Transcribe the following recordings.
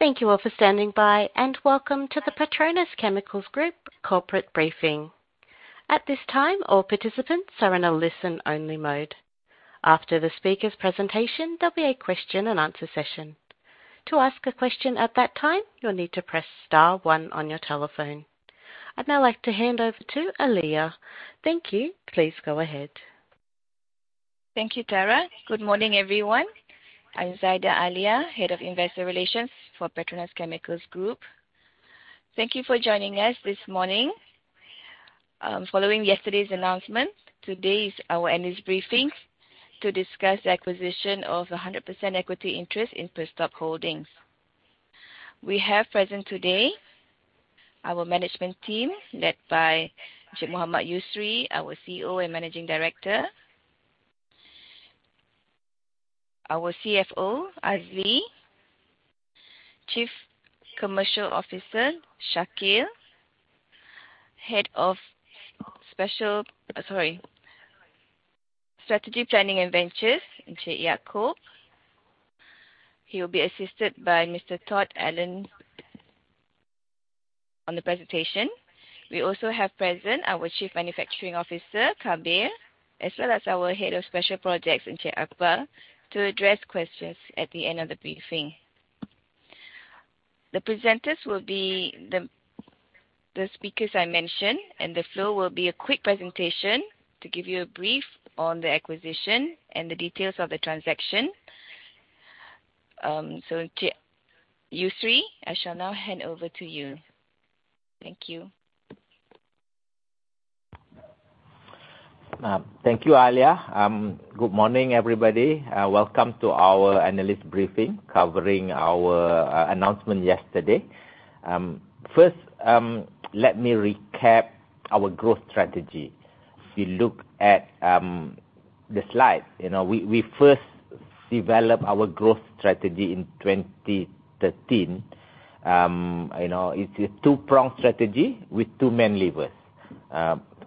Thank you all for standing by, and welcome to the PETRONAS Chemicals Group corporate briefing. At this time, all participants are in a listen-only mode. After the speaker's presentation, there'll be a question and answer session. To ask a question at that time, you'll need to press star one on your telephone. I'd now like to hand over to Alia. Thank you. Please go ahead. Thank you, Tara. Good morning, everyone. I'm Zaida Alia, Head of Investor Relations for PETRONAS Chemicals Group. Thank you for joining us this morning. Following yesterday's announcement, today is our analyst briefing to discuss the acquisition of 100% equity interest in Perstorp Holding AB. We have present today our management team, led by Encik Mohd Yusri, our CEO and Managing Director. Our CFO, Azli. Chief Commercial Officer, Shakeel. Head of Strategic Planning and Ventures, Encik Yaacob. He will be assisted by Mr. Todd Allen on the presentation. We also have present our Chief Manufacturing Officer, Kabir, as well as our Head of Special Projects, Encik Akbar, to address questions at the end of the briefing. The presenters will be the speakers I mentioned, and the flow will be a quick presentation to give you a brief on the acquisition and the details of the transaction. Encik Yusri, I shall now hand over to you. Thank you. Thank you, Alia. Good morning, everybody. Welcome to our analyst briefing covering our announcement yesterday. First, let me recap our growth strategy. If you look at the slide. You know, we first developed our growth strategy in 2013. You know, it's a two-pronged strategy with two main levers.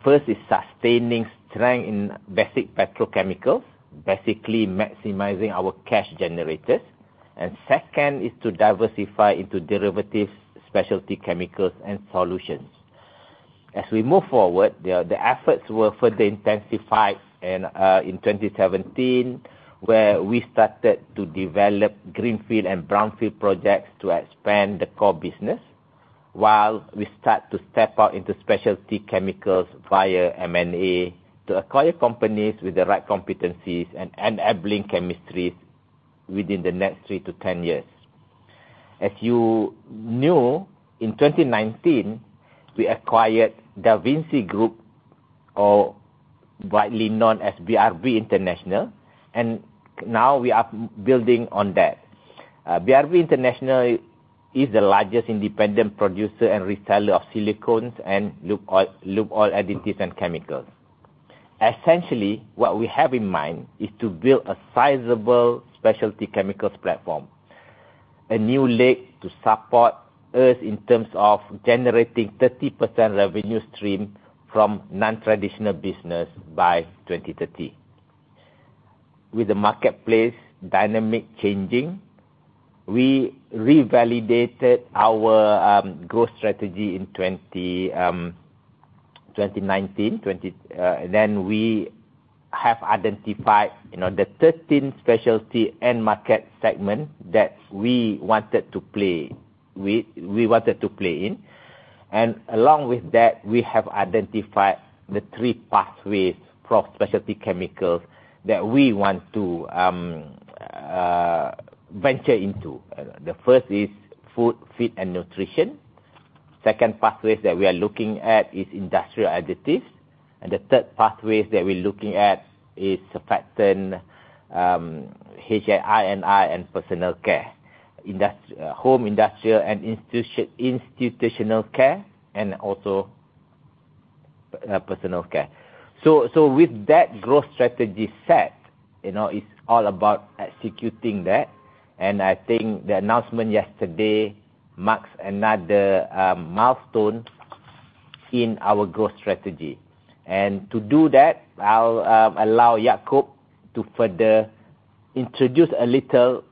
First is sustaining strength in basic petrochemical, basically maximizing our cash generators. Second is to diversify into derivatives, specialty chemicals, and solutions. As we move forward, the efforts were further intensified and in 2017, where we started to develop greenfield and brownfield projects to expand the core business. While we start to step out into specialty chemicals via M&A to acquire companies with the right competencies and enabling chemistries within the next three-10 years. As you know, in 2019, we acquired Da Vinci Group or widely known as BRB International, and now we are building on that. BRB International is the largest independent producer and reseller of silicones and lube oil, lube oil additives and chemicals. Essentially, what we have in mind is to build a sizable specialty chemicals platform, a new leg to support us in terms of generating 30% revenue stream from non-traditional business by 2030. With the marketplace dynamic changing, we revalidated our growth strategy in 2019. We have identified, you know, the 13 specialty end market segment in which we wanted to play, and along with that, we have identified the three pathways for specialty chemicals that we want to venture into. The first is food, feed, and nutrition. Second pathways that we are looking at is industrial additives. The third pathways that we're looking at is household, industrial, and institutional care and also personal care. So with that growth strategy set, you know, it's all about executing that, and I think the announcement yesterday marks another milestone in our growth strategy. To do that, I'll allow Yaacob to further introduce a little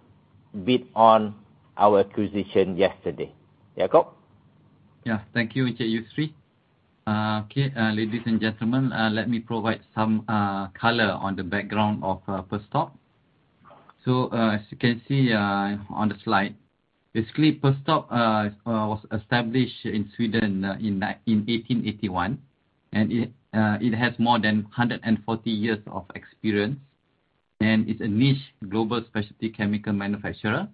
bit on our acquisition yesterday. Yaacob? Yeah. Thank you, Encik Yusri. Ladies and gentlemen, let me provide some color on the background of Perstorp. As you can see on the slide, basically, Perstorp was established in Sweden in 1881, and it has more than 140 years of experience, and it's a niche global specialty chemical manufacturer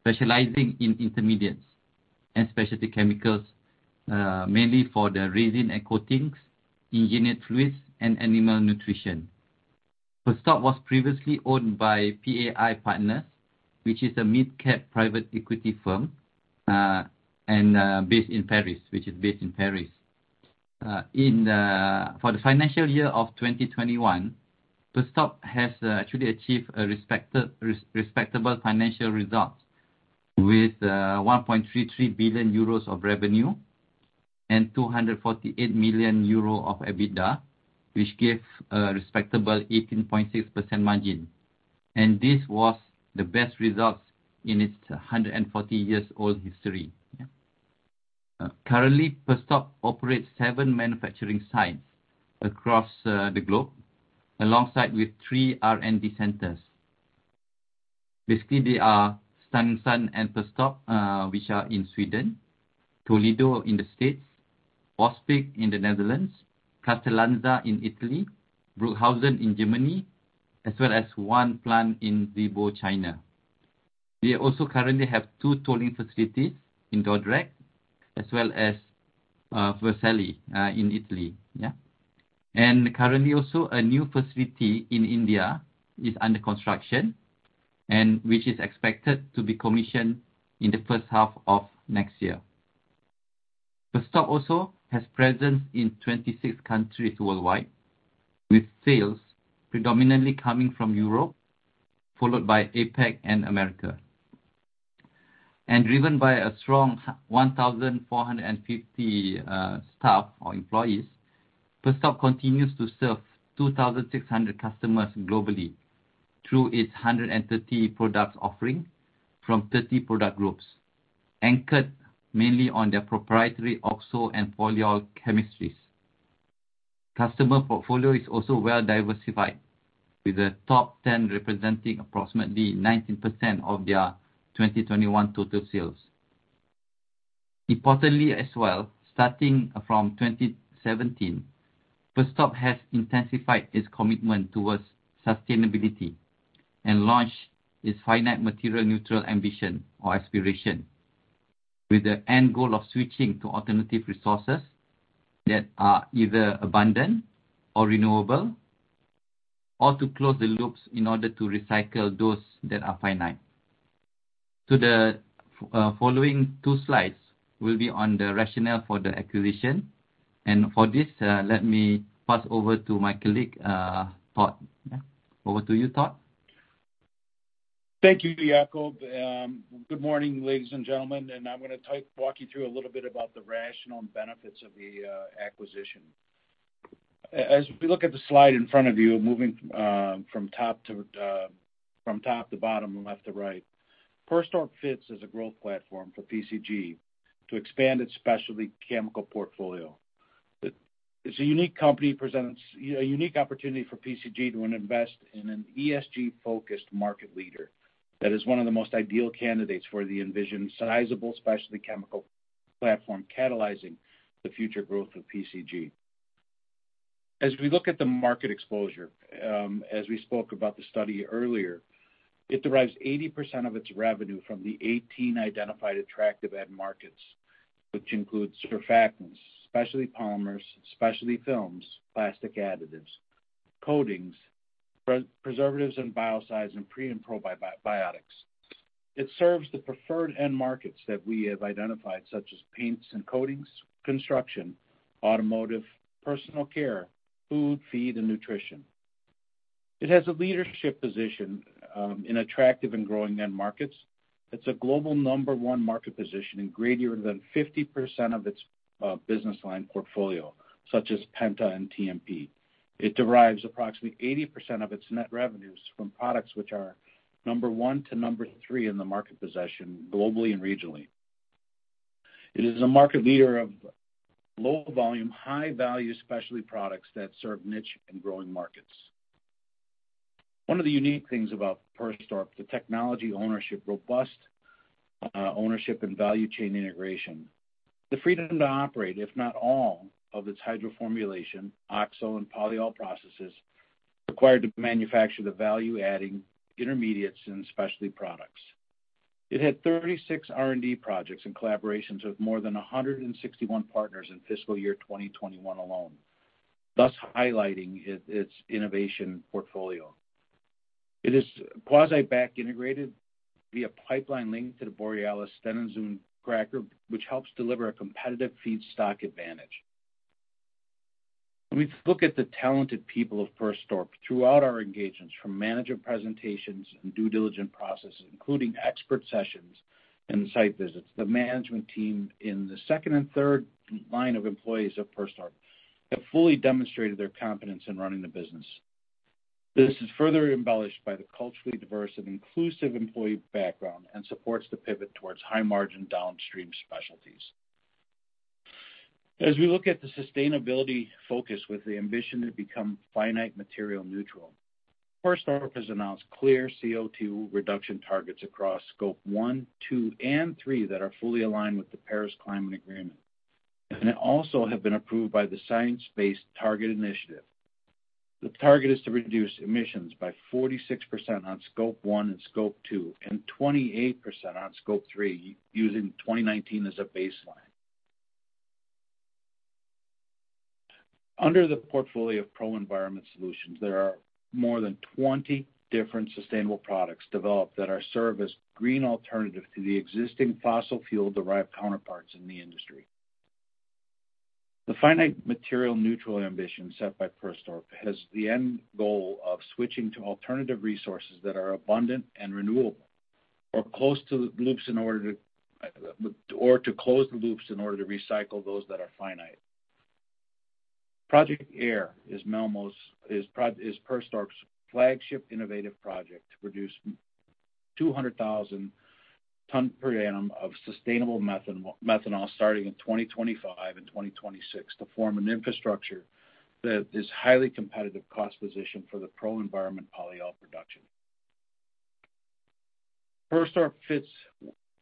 specializing in intermediates and specialty chemicals, mainly for the resins and coatings, engineered fluids, and animal nutrition. Perstorp was previously owned by PAI Partners, which is a mid-cap private equity firm based in Paris. For the financial year of 2021, Perstorp has actually achieved a respectable financial result with 1.33 billion euros of revenue. 248 million euro of EBITDA, which gave a respectable 18.6% margin. This was the best results in its 140-year-old history. Yeah. Currently, Perstorp operates seven manufacturing sites across the globe, alongside with three R&D centers. Basically, they are Stenungsund and Perstorp, which are in Sweden, Toledo in the States, Waspik in the Netherlands, Castellanza in Italy, Bruchhausen in Germany, as well as one plant in Zibo, China. We also currently have two tolling facilities in Dordrecht, as well as Vercelli in Italy. Yeah. Currently also a new facility in India is under construction and which is expected to be commissioned in the first half of next year. Perstorp also has presence in 26 countries worldwide, with sales predominantly coming from Europe, followed by APAC and America. Driven by a strong 1,450 staff or employees, Perstorp continues to serve 2,600 customers globally through its 130 products offering from 30 product groups, anchored mainly on their proprietary oxo and polyol chemistries. Customer portfolio is also well diversified, with the top 10 representing approximately 19% of their 2021 total sales. Importantly as well, starting from 2017, Perstorp has intensified its commitment towards sustainability and launched its Finite Material Neutral ambition or aspiration with the end goal of switching to alternative resources that are either abundant or renewable, or to close the loops in order to recycle those that are finite. The following two slides will be on the rationale for the acquisition. For this, let me pass over to my colleague, Todd. Yeah. Over to you, Todd. Thank you, Yaacob. Good morning, ladies and gentlemen, and I'm gonna walk you through a little bit about the rationale and benefits of the acquisition. As we look at the slide in front of you, moving from top to bottom, left to right. Perstorp fits as a growth platform for PCG to expand its specialty chemical portfolio. It's a unique company, presents a unique opportunity for PCG to invest in an ESG-focused market leader that is one of the most ideal candidates for the envisioned sizable specialty chemical platform, catalyzing the future growth of PCG. As we look at the market exposure, as we spoke about the study earlier, it derives 80% of its revenue from the 18 identified attractive end markets, which includes surfactants, specialty polymers, specialty films, plastic additives, coatings, preservatives and biocides, and prebiotics and probiotics. It serves the preferred end markets that we have identified, such as paints and coatings, construction, automotive, personal care, food, feed, and nutrition. It has a leadership position in attractive and growing end markets. It's a global number one market position in greater than 50% of its business line portfolio, such as Penta and TMP. It derives approximately 80% of its net revenues from products which are number one to number three in the market position globally and regionally. It is a market leader of low volume, high value specialty products that serve niche and growing markets. One of the unique things about Perstorp, the technology ownership, robust ownership and value chain integration. The freedom to operate in all of its hydroformylation, oxo and polyol processes required to manufacture the value-adding intermediates and specialty products. It had 36 R&D projects and collaborations with more than 161 partners in fiscal year 2021 alone, thus highlighting its innovation portfolio. It is quasi-backward integrated via pipeline link to the Borealis Stenungsund cracker, which helps deliver a competitive feedstock advantage. When we look at the talented people of Perstorp throughout our engagements, from manager presentations and due diligence processes, including expert sessions and site visits, the management team in the second and third line of employees of Perstorp have fully demonstrated their competence in running the business. This is further embellished by the culturally diverse and inclusive employee background and supports the pivot towards high-margin downstream specialties. As we look at the sustainability focus with the ambition to become Finite Material Neutral, Perstorp has announced clear CO2 reduction targets across Scope one, two, and three that are fully aligned with the Paris Agreement. They also have been approved by the Science Based Targets initiative. The target is to reduce emissions by 46% on Scope one and Scope two, and 28% on Scope three, using 2019 as a baseline. Under the portfolio of Pro-Environment solutions, there are more than 20 different sustainable products developed that serve as green alternative to the existing fossil fuel-derived counterparts in the industry. The finite material neutral ambition set by Perstorp has the end goal of switching to alternative resources that are abundant and renewable or to close the loops in order to recycle those that are finite. Project Air is Perstorp's flagship innovative project to produce 200,000 tons per annum of sustainable methanol starting in 2025 and 2026 to form an infrastructure that is highly competitive cost position for the Pro-Environment polyol production. Perstorp fits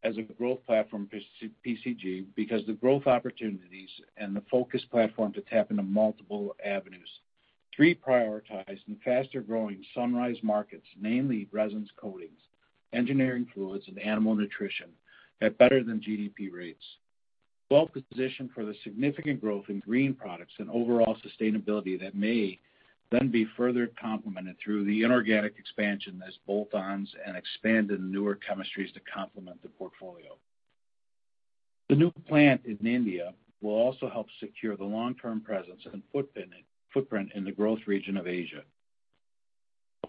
as a growth platform for PCG because the growth opportunities and the focus platform to tap into multiple avenues. Three prioritized and faster-growing sunrise markets, namely resins coatings, engineering fluids, and animal nutrition at better than GDP rates. Well-positioned for the significant growth in green products and overall sustainability that may then be further complemented through the inorganic expansion as bolt-ons and expand in newer chemistries to complement the portfolio. The new plant in India will also help secure the long-term presence and footprint in the growth region of Asia.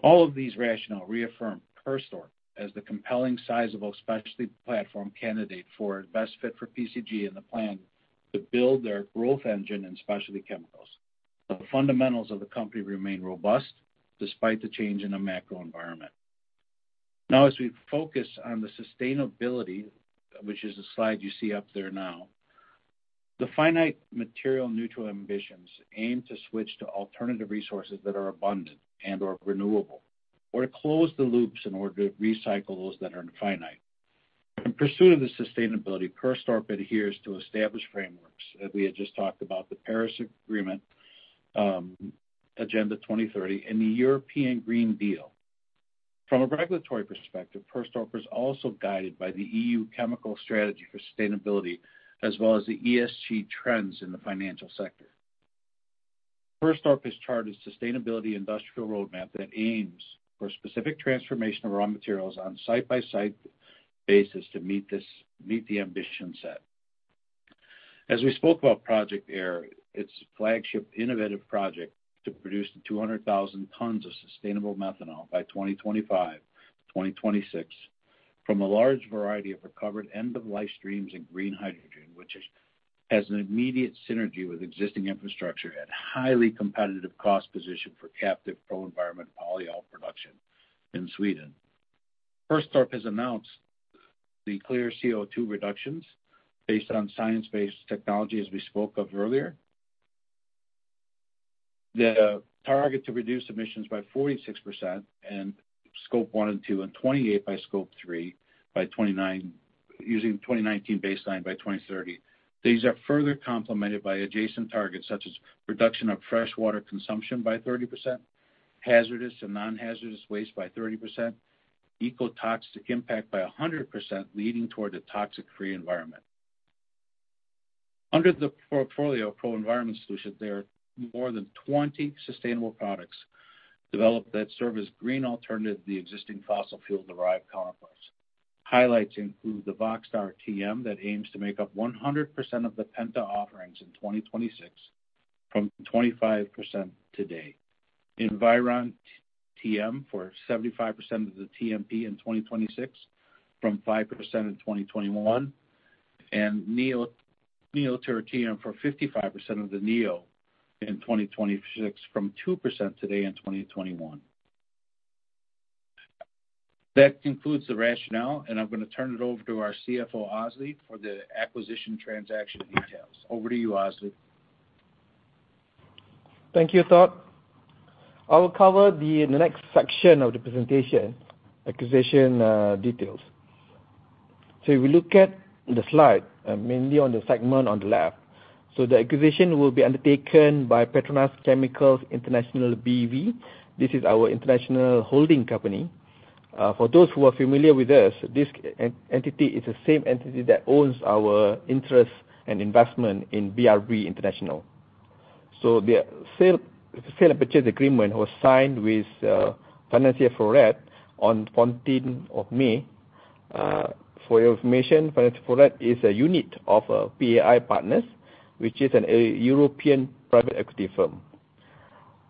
All of these rationale reaffirm Perstorp as the compelling sizable specialty platform candidate for best fit for PCG in the plan to build their growth engine in specialty chemicals. The fundamentals of the company remain robust despite the change in the macro environment. Now, as we focus on the sustainability, which is the slide you see up there now. The Finite Material Neutral ambitions aim to switch to alternative resources that are abundant and/or renewable, or to close the loops in order to recycle those that are finite. In pursuit of the sustainability, Perstorp adheres to established frameworks, as we had just talked about the Paris Agreement, Agenda 2030 and the European Green Deal. From a regulatory perspective, Perstorp is also guided by the EU Chemicals Strategy for Sustainability, as well as the ESG trends in the financial sector. Perstorp has charted sustainability industrial roadmap that aims for specific transformation of raw materials on site-by-site basis to meet the ambition set. As we spoke about Project Air, its flagship innovative project to produce 200,000 tons of sustainable methanol by 2025, 2026 from a large variety of recovered end-of-life streams and green hydrogen, which has an immediate synergy with existing infrastructure at highly competitive cost position for captive Pro-Environment polyol production in Sweden. Perstorp has announced the clear CO2 reductions based on science-based technology, as we spoke of earlier. The target to reduce emissions by 46% in Scope one and two, and 28% by Scope three by 2029, using the 2019 baseline by 2030. These are further complemented by adjacent targets such as reduction of freshwater consumption by 30%, hazardous and non-hazardous waste by 30%, ecotoxic impact by 100%, leading toward a toxic-free environment. Under the Pro-Environment solution, there are more than 20 sustainable products developed that serve as green alternative to the existing fossil fuel-derived counterparts. Highlights include the Voxtar that aims to make up 100% of the Penta offerings in 2026 from 25% today. Evyron for 75% of the TMP in 2026 from 5% in 2021. Neeture for 55% of the neo in 2026 from 2% today in 2021. That concludes the rationale, and I'm gonna turn it over to our CFO, Azli, for the acquisition transaction details. Over to you, Azli. Thank you, Todd. I will cover the next section of the presentation, acquisition details. If we look at the slide, mainly on the segment on the left. The acquisition will be undertaken by PETRONAS Chemicals International B.V. This is our international holding company. For those who are familiar with this entity is the same entity that owns our interest and investment in BRB International. The sale and purchase agreement was signed with Financière Forêt on 14th of May. For your information, Financière Forêt is a unit of PAI Partners, which is a European private equity firm.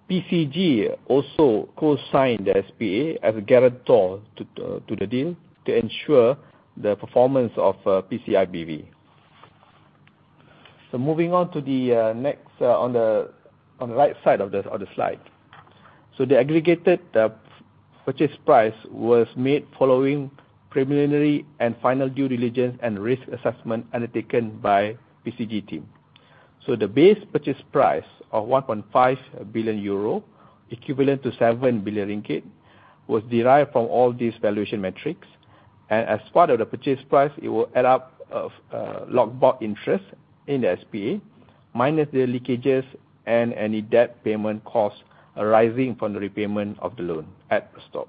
PCG also co-signed the SPA as a guarantor to the deal to ensure the performance of PCIBV. Moving on to the next, on the right side of the slide. The aggregated purchase price was made following preliminary and final due diligence and risk assessment undertaken by PCG team. The base purchase price of 1.5 billion euro, equivalent to 7 billion ringgit, was derived from all these valuation metrics. As part of the purchase price, it will add up of locked-box interest in the SPA, minus the leakages and any debt payment costs arising from the repayment of the loan at Perstorp.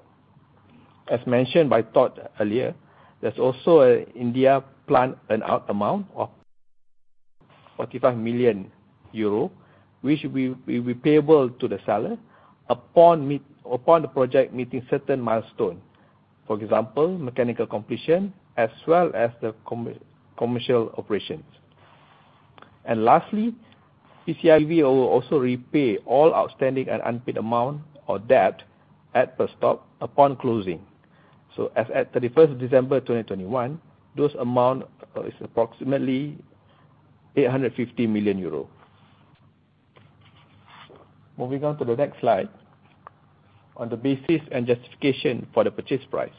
As mentioned by Todd earlier, there's also an India plant earn-out amount of 45 million euro, which will be payable to the seller upon the project meeting certain milestone. For example, mechanical completion as well as the commercial operations. Lastly, PCIV will also repay all outstanding and unpaid amount or debt at Perstorp upon closing. As at 31 December 2021, that amount is approximately EUR 850 million. Moving on to the next slide. On the basis and justification for the purchase price.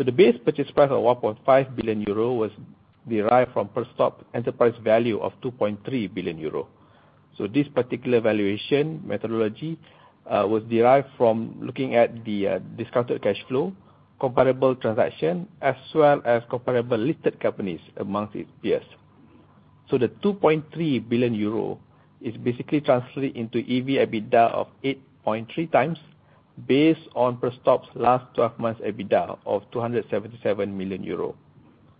The base purchase price of 1.5 billion euro was derived from Perstorp enterprise value of 2.3 billion euro. This particular valuation methodology was derived from looking at discounted cash flow, comparable transaction, as well as comparable listed companies among its peers. The 2.3 billion euro is basically translated into EV/EBITDA of 8.3x based on Perstorp's last 12-months EBITDA of 277 million euro.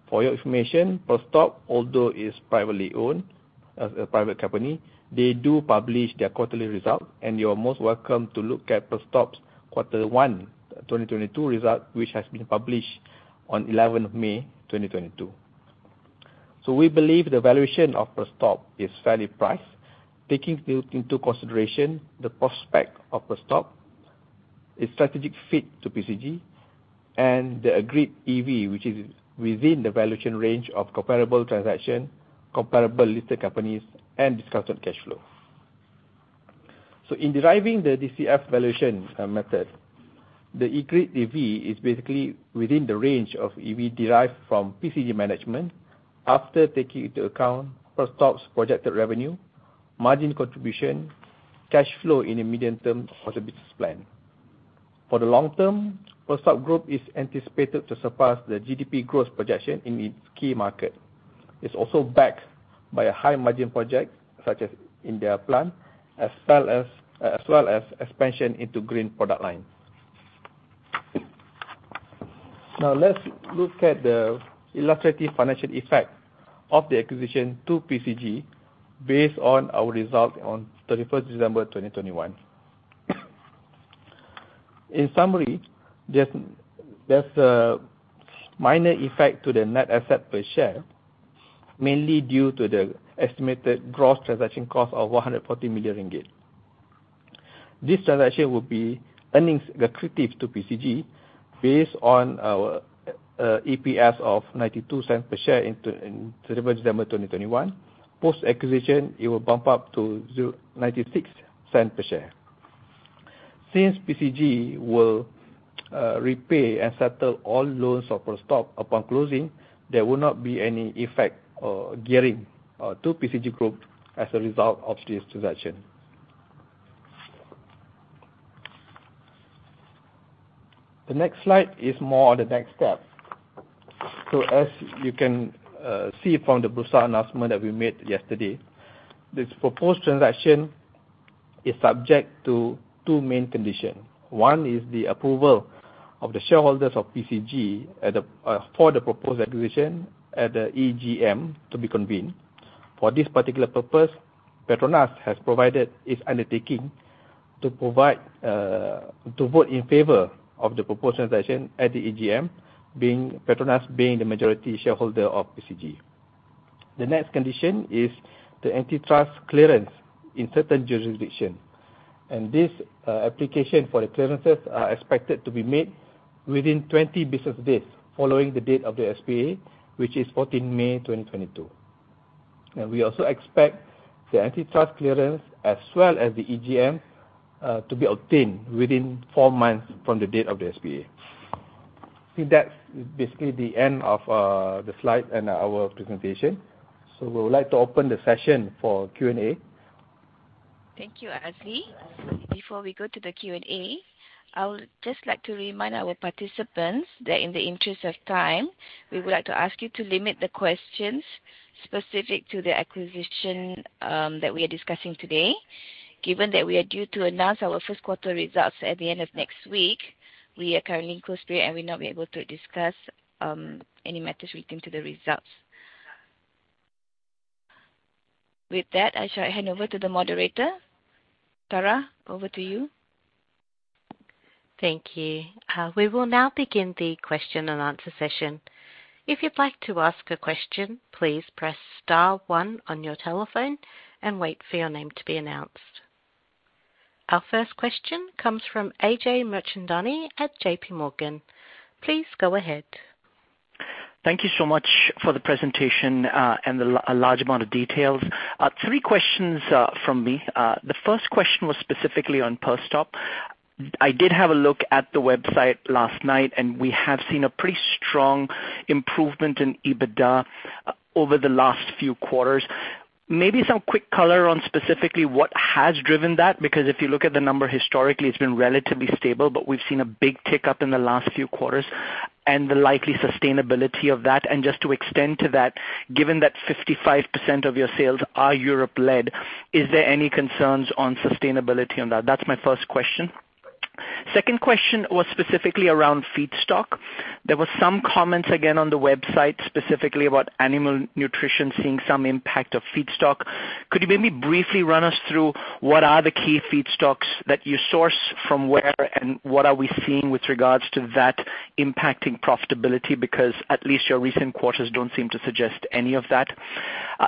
For your information, Perstorp, although is privately owned, as a private company, they do publish their quarterly results, and you're most welcome to look at Perstorp's Q1 2022 result, which has been published on 11th of May, 2022. We believe the valuation of Perstorp is fairly priced, taking into consideration the prospect of Perstorp, its strategic fit to PCG, and the agreed EV, which is within the valuation range of comparable transaction, comparable listed companies, and discounted cash flow. In deriving the DCF valuation method, the agreed EV is basically within the range of EV derived from PCG management after taking into account Perstorp's projected revenue, margin contribution, cash flow in the medium term for the business plan. For the long term, Perstorp Group is anticipated to surpass the GDP growth projection in its key market. It's also backed by a high margin project, such as in their plan, as well as expansion into green product line. Now let's look at the illustrative financial effect of the acquisition to PCG based on our result on 31 December 2021. In summary, there's a minor effect to the net asset per share, mainly due to the estimated gross transaction cost of 140 million ringgit. This transaction will be earnings accretive to PCG based on our EPS of 0.92 per share in 31 December 2021. Post-acquisition, it will bump up to 0.96% per share. Since PCG will repay and settle all loans of Perstorp upon closing, there will not be any effect on gearing to PCG Group as a result of this transaction. The next slide is more on the next step. As you can see from the Bursa announcement that we made yesterday, this proposed transaction is subject to two main conditions. One is the approval of the shareholders of PCG for the proposed acquisition at the EGM to be convened. For this particular purpose, PETRONAS has provided its undertaking to vote in favor of the proposed transaction at the EGM, being PETRONAS the majority shareholder of PCG. The next condition is the antitrust clearance in certain jurisdictions, and this application for the clearances are expected to be made within 20 business days following the date of the SPA, which is 14th May 2022. We also expect the antitrust clearance as well as the EGM to be obtained within four months from the date of the SPA. I think that's basically the end of the slide and our presentation. We would like to open the session for Q&A. Thank you, Azli. Before we go to the Q&A, I would just like to remind our participants that in the interest of time, we would like to ask you to limit the questions specific to the acquisition, that we are discussing today. Given that we are due to announce our first quarter results at the end of next week, we are currently in close period and will not be able to discuss, any matters relating to the results. With that, I shall hand over to the moderator. Tara, over to you. Thank you. We will now begin the question and answer session. If you'd like to ask a question, please press star one on your telephone and wait for your name to be announced. Our first question comes from Ajay Mirchandani at JPMorgan. Please go ahead. Thank you so much for the presentation, and a large amount of details. Three questions from me. The first question was specifically on Perstorp. I did have a look at the website last night, and we have seen a pretty strong improvement in EBITDA over the last few quarters. Maybe some quick color on specifically what has driven that, because if you look at the number historically, it's been relatively stable, but we've seen a big tick up in the last few quarters, and the likely sustainability of that. Just to extend to that, given that 55% of your sales are Europe-led, is there any concerns on sustainability on that? That's my first question. Second question was specifically around feedstock. There were some comments, again, on the website, specifically about animal nutrition seeing some impact of feedstock. Could you maybe briefly run us through what are the key feedstocks that you source from where, and what are we seeing with regards to that impacting profitability? Because at least your recent quarters don't seem to suggest any of that.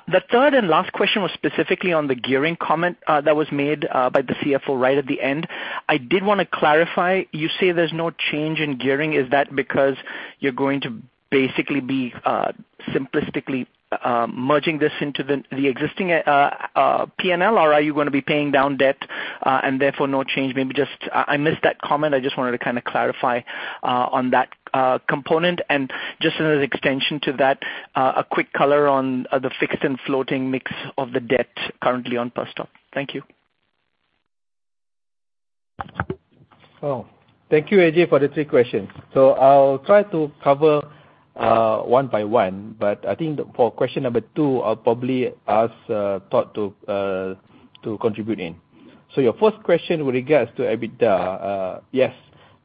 The third and last question was specifically on the gearing comment that was made by the CFO right at the end. I did wanna clarify. You say there's no change in gearing. Is that because you're going to basically be simplistically merging this into the existing P&L? Or are you gonna be paying down debt and therefore no change? Maybe just I missed that comment. I just wanted to kinda clarify on that component. Just as an extension to that, a quick color on the fixed and floating mix of the debt currently on Perstorp. Thank you. Oh, thank you, Ajay, for the three questions. I'll try to cover one by one, but I think for question number two, I'll probably ask Todd to contribute in. Your first question with regards to EBITDA, yes,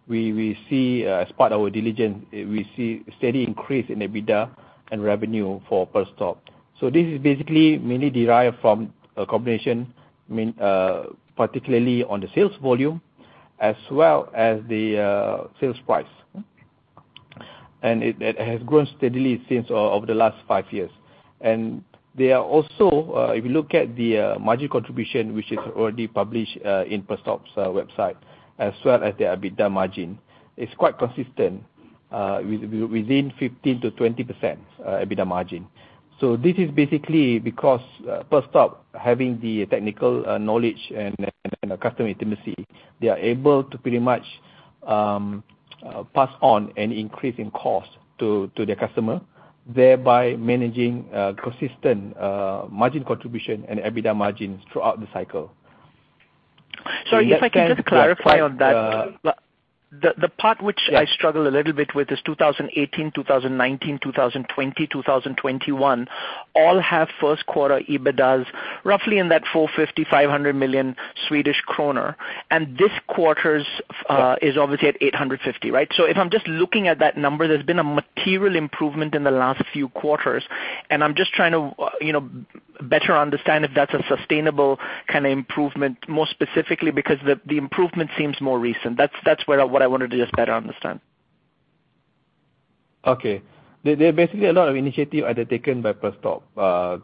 we see, as part of our diligence, we see steady increase in EBITDA and revenue for Perstorp. This is basically mainly derived from a combination, particularly on the sales volume as well as the sales price. It has grown steadily over the last five years. If you look at the margin contribution, which is already published in Perstorp's website, as well as their EBITDA margin, it's quite consistent within 15%-20% EBITDA margin. This is basically because Perstorp having the technical knowledge and the customer intimacy, they are able to pretty much pass on any increase in cost to the customer, thereby managing consistent margin contribution and EBITDA margins throughout the cycle. Sorry, if I can just clarify on that. The part which Yes. I struggle a little bit with is 2018, 2019, 2020, 2021 all have first quarter EBITDA roughly in that 450million-500 million Swedish kronor and this quarter's is obviously at 850 million, right? If I'm just looking at that number, there's been a material improvement in the last few quarters, and I'm just trying to, you know, better understand if that's a sustainable kinda improvement, more specifically because the improvement seems more recent. That's where what I wanted to just better understand. Okay. There are basically a lot of initiatives undertaken by Perstorp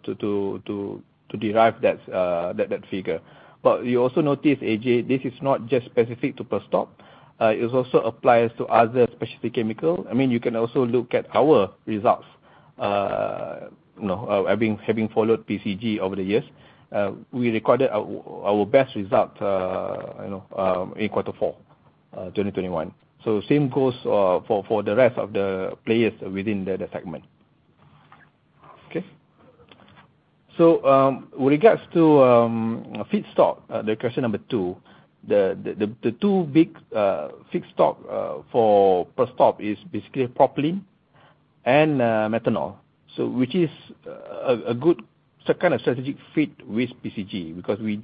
to derive that figure. You also notice, Ajay, this is not just specific to Perstorp. It also applies to other specific chemical. I mean, you can also look at our results, you know, having followed PCG over the years. We recorded our best result, you know, in quarter four, 2021. Same goes for the rest of the players within the segment. Okay. With regards to feedstock, the question number two, the two big feedstock for Perstorp is basically propylene and methanol, which is a good kind of strategic fit with PCG because we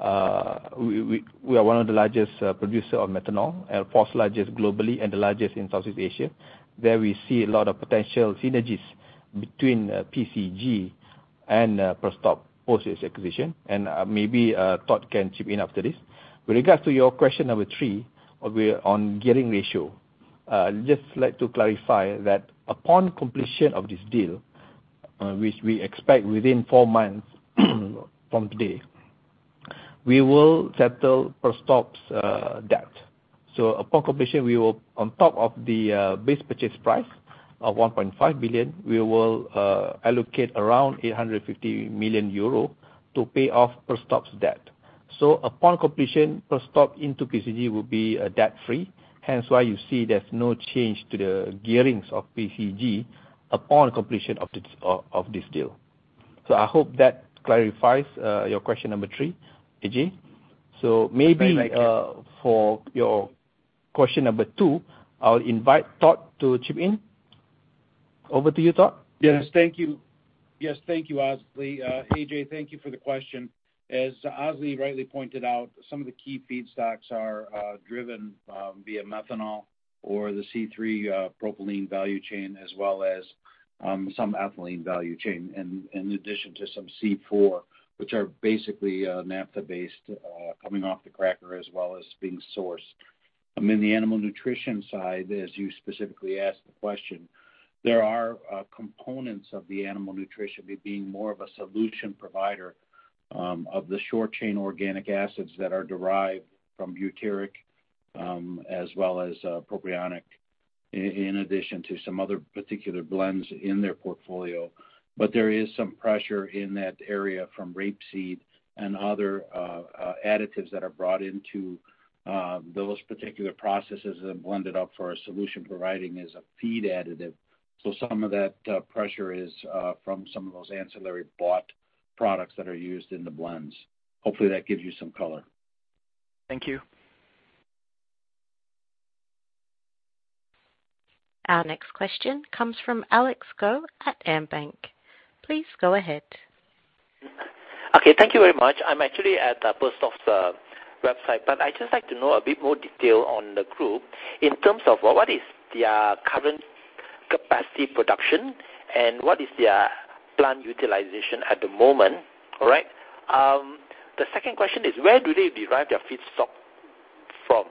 are one of the largest producer of methanol, fourth largest globally and the largest in Southeast Asia. There we see a lot of potential synergies between PCG and Perstorp post this acquisition. Maybe Todd can chip in after this. With regards to your question number three, we're on gearing ratio. Just like to clarify that upon completion of this deal, which we expect within four months from today, we will settle Perstorp's debt. Upon completion, we will on top of the base purchase price of 1.5 billion, we will allocate around 850 million euro to pay off Perstorp's debt. Upon completion, Perstorp into PCG will be debt-free, hence why you see there's no change to the gearings of PCG upon completion of this of this deal. I hope that clarifies your question number three, Ajay. Very much. Maybe, for your question number two, I'll invite Todd to chip in. Over to you, Todd. Thank you, Azli. Ajay, thank you for the question. As Azli rightly pointed out, some of the key feedstocks are driven via methanol or the C3 propylene value chain, as well as some ethylene value chain, and in addition to some C4, which are basically Naphtha-based, coming off the cracker as well as being sourced. I mean, the animal nutrition side, as you specifically asked the question, there are components of the animal nutrition with being more of a solution provider of the short chain organic acids that are derived from butyric, as well as propionic in addition to some other particular blends in their portfolio. There is some pressure in that area from rapeseed and other additives that are brought into those particular processes and blended up for a solution providing as a feed additive. Some of that pressure is from some of those ancillary bought products that are used in the blends. Hopefully that gives you some color. Thank you. Our next question comes from Alex Goh at AmBank. Please go ahead. Okay. Thank you very much. I'm actually at Perstorp's website, but I'd just like to know a bit more detail on the group in terms of what is their current capacity production and what is their plant utilization at the moment. All right? The second question is, where do they derive their feedstock from?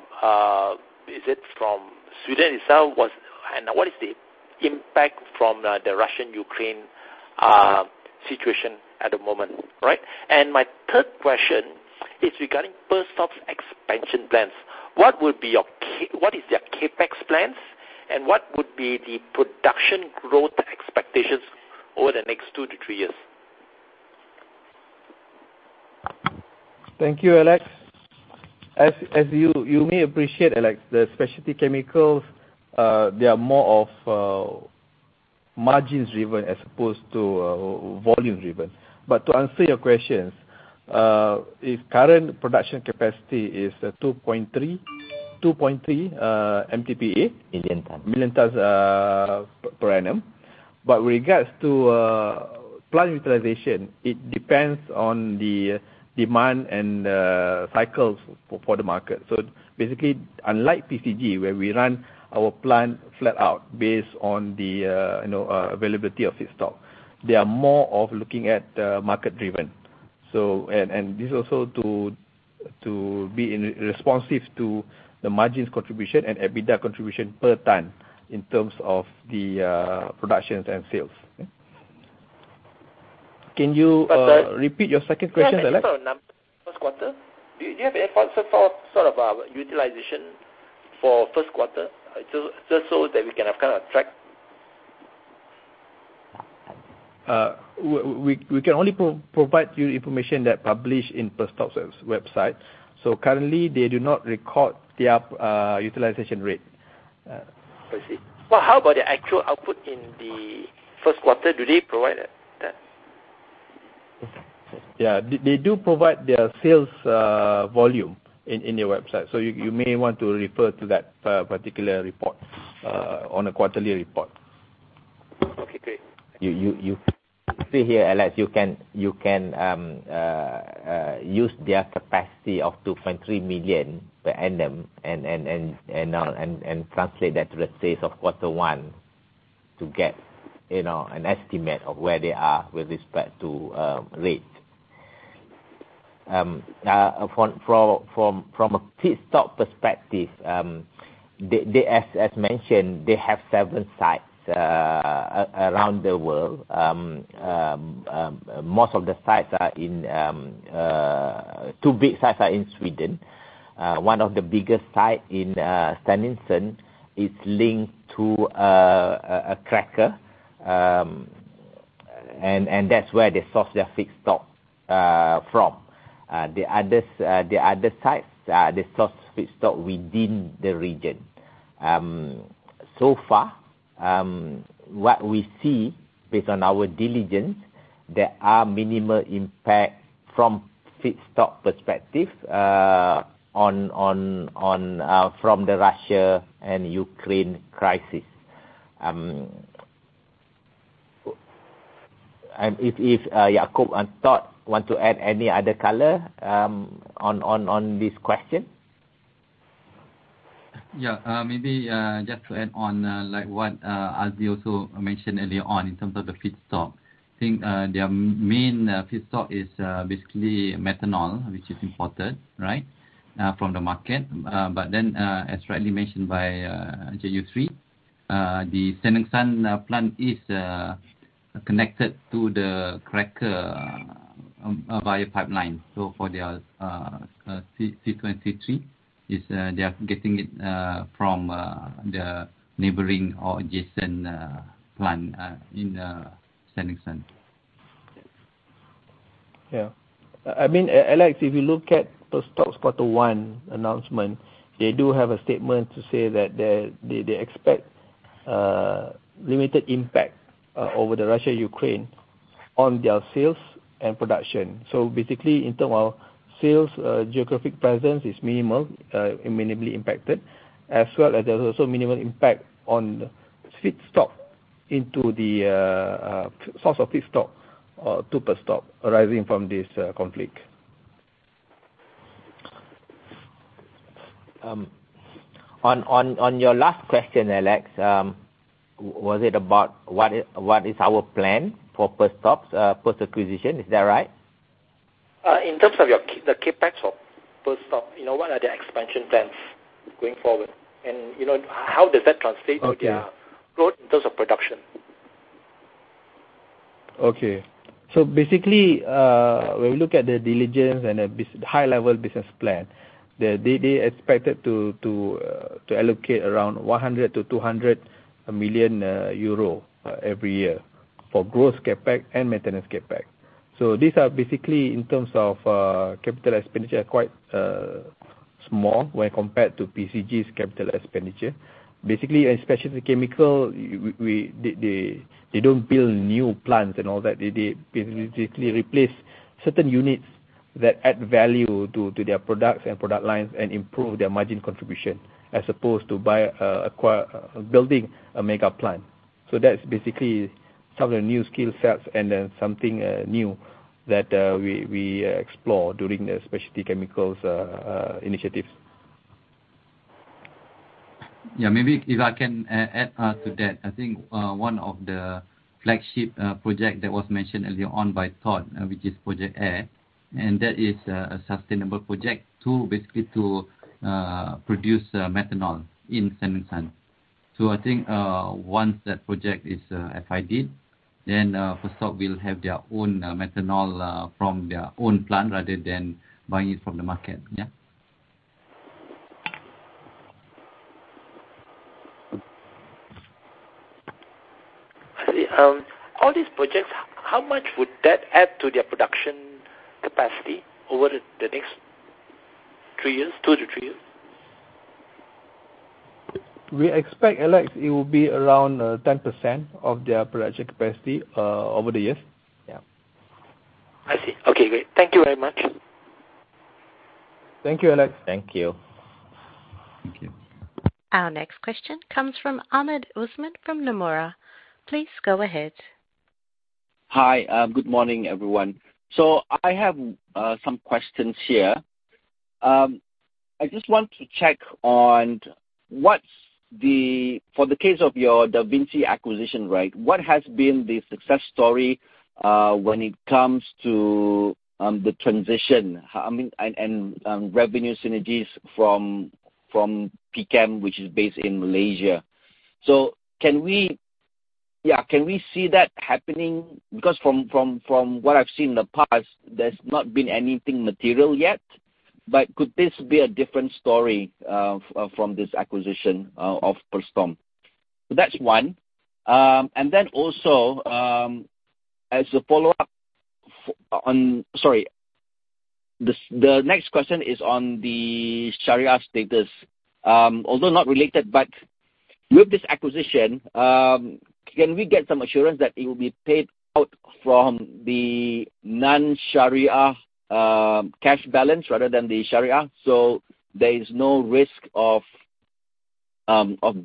Is it from Sweden itself? What is the impact from the Russia-Ukraine situation at the moment? Right. My third question is regarding Perstorp's expansion plans. What is their CapEx plans and what would be the production growth expectations over the next two to three years? Thank you, Alex. As you may appreciate, Alex, the specialty chemicals, they are more of margins driven as opposed to volume driven. To answer your questions, its current production capacity is 2.3 MTPA. Million tons. Million tons per annum. With regard to plant utilization, it depends on the demand and cycles for the market. Basically, unlike PCG, where we run our plant flat out based on the availability of feedstock, they are more market driven. This is also to be responsive to the margins contribution and EBITDA contribution per ton in terms of the production and sales. Can you But, uh- Repeat your second question, Alex? Yeah. In terms of first quarter. Do you have any thoughts for, sort of, utilization for first quarter? Just so that we can have, kind of, track. We can only provide you information that publish in Perstorp's website. Currently they do not record their utilization rate. I see. Well, how about the actual output in the first quarter? Do they provide that? Yeah. They do provide their sales volume in their website. You may want to refer to that particular report on the quarterly report. Okay, great. You see here, Alex, you can use their capacity of 2.3 million per annum and translate that to the sales of quarter one to get, you know, an estimate of where they are with respect to rate. From a feedstock perspective, as mentioned, they have seven sites around the world. Two big sites are in Sweden. One of the biggest site in Stenungsund is linked to a cracker, and that's where they source their feedstock from. The other sites, they source feedstock within the region. So far, what we see based on our diligence, there are minimal impact from feedstock perspective on the Russia and Ukraine crisis. If Yaacob and Todd want to add any other color on this question. Yeah. Maybe, just to add on, like what Azli also mentioned earlier on in terms of the feedstock. I think, their main feedstock is basically methanol, which is imported, right? From the market. But then, as rightly mentioned by Mohd Yusri, the Stenungsund plant is connected to the cracker via pipeline. For their C3 is, they are getting it from the neighboring or adjacent plant in Stenungsund. Yeah. I mean, Alex, if you look at Perstorp's quarter one announcement, they do have a statement to say that they expect limited impact from the Russia-Ukraine on their sales and production. Basically in terms of sales, geographic presence is minimally impacted, as well as there's also minimal impact on the source of feedstock to Perstorp arising from this conflict. On your last question, Alex, was it about what is our plan for Perstorp's post-acquisition? Is that right? In terms of the CapEx of Perstorp, you know, what are the expansion plans going forward? You know, how does that translate into their- Okay. Growth in terms of production? Okay. Basically, when you look at the diligence and the high level business plan, they expected to allocate around 100-200 million euro every year for growth CapEx and maintenance CapEx. These are basically in terms of capital expenditure, quite small when compared to PCG's capital expenditure. Basically, a specialty chemical, we. They don't build new plants and all that. They basically replace certain units that add value to their products and product lines and improve their margin contribution as opposed to buy, acquire, building a mega plant. That's basically some of the new skill sets and then something new that we explore during the specialty chemicals initiatives. Yeah, maybe if I can add to that. I think one of the flagship project that was mentioned earlier on by Todd, which is Project Air, and that is a sustainable project to basically produce methanol in Stenungsund. I think once that project is FID, then Perstorp will have their own methanol from their own plant rather than buying it from the market. Yeah. I see. All these projects, how much would that add to their production capacity over the next three years, two-three years? We expect, Alex, it will be around 10% of their production capacity over the years. Yeah. I see. Okay, great. Thank you very much. Thank you, Alex. Thank you. Thank you. Our next question comes from Ahmad Usman from Nomura. Please go ahead. Hi. Good morning, everyone. I have some questions here. I just want to check on for the case of your Da Vinci acquisition, right, what has been the success story when it comes to the transition, I mean, and revenue synergies from PCG, which is based in Malaysia. Can we see that happening? Because from what I've seen in the past, there's not been anything material yet, but could this be a different story from this acquisition of Perstorp? That's one. Also, as a follow-up on. Sorry. The next question is on the Shariah status. Although not related, with this acquisition, can we get some assurance that it will be paid out from the non-Shariah cash balance rather than the Shariah, so there is no risk of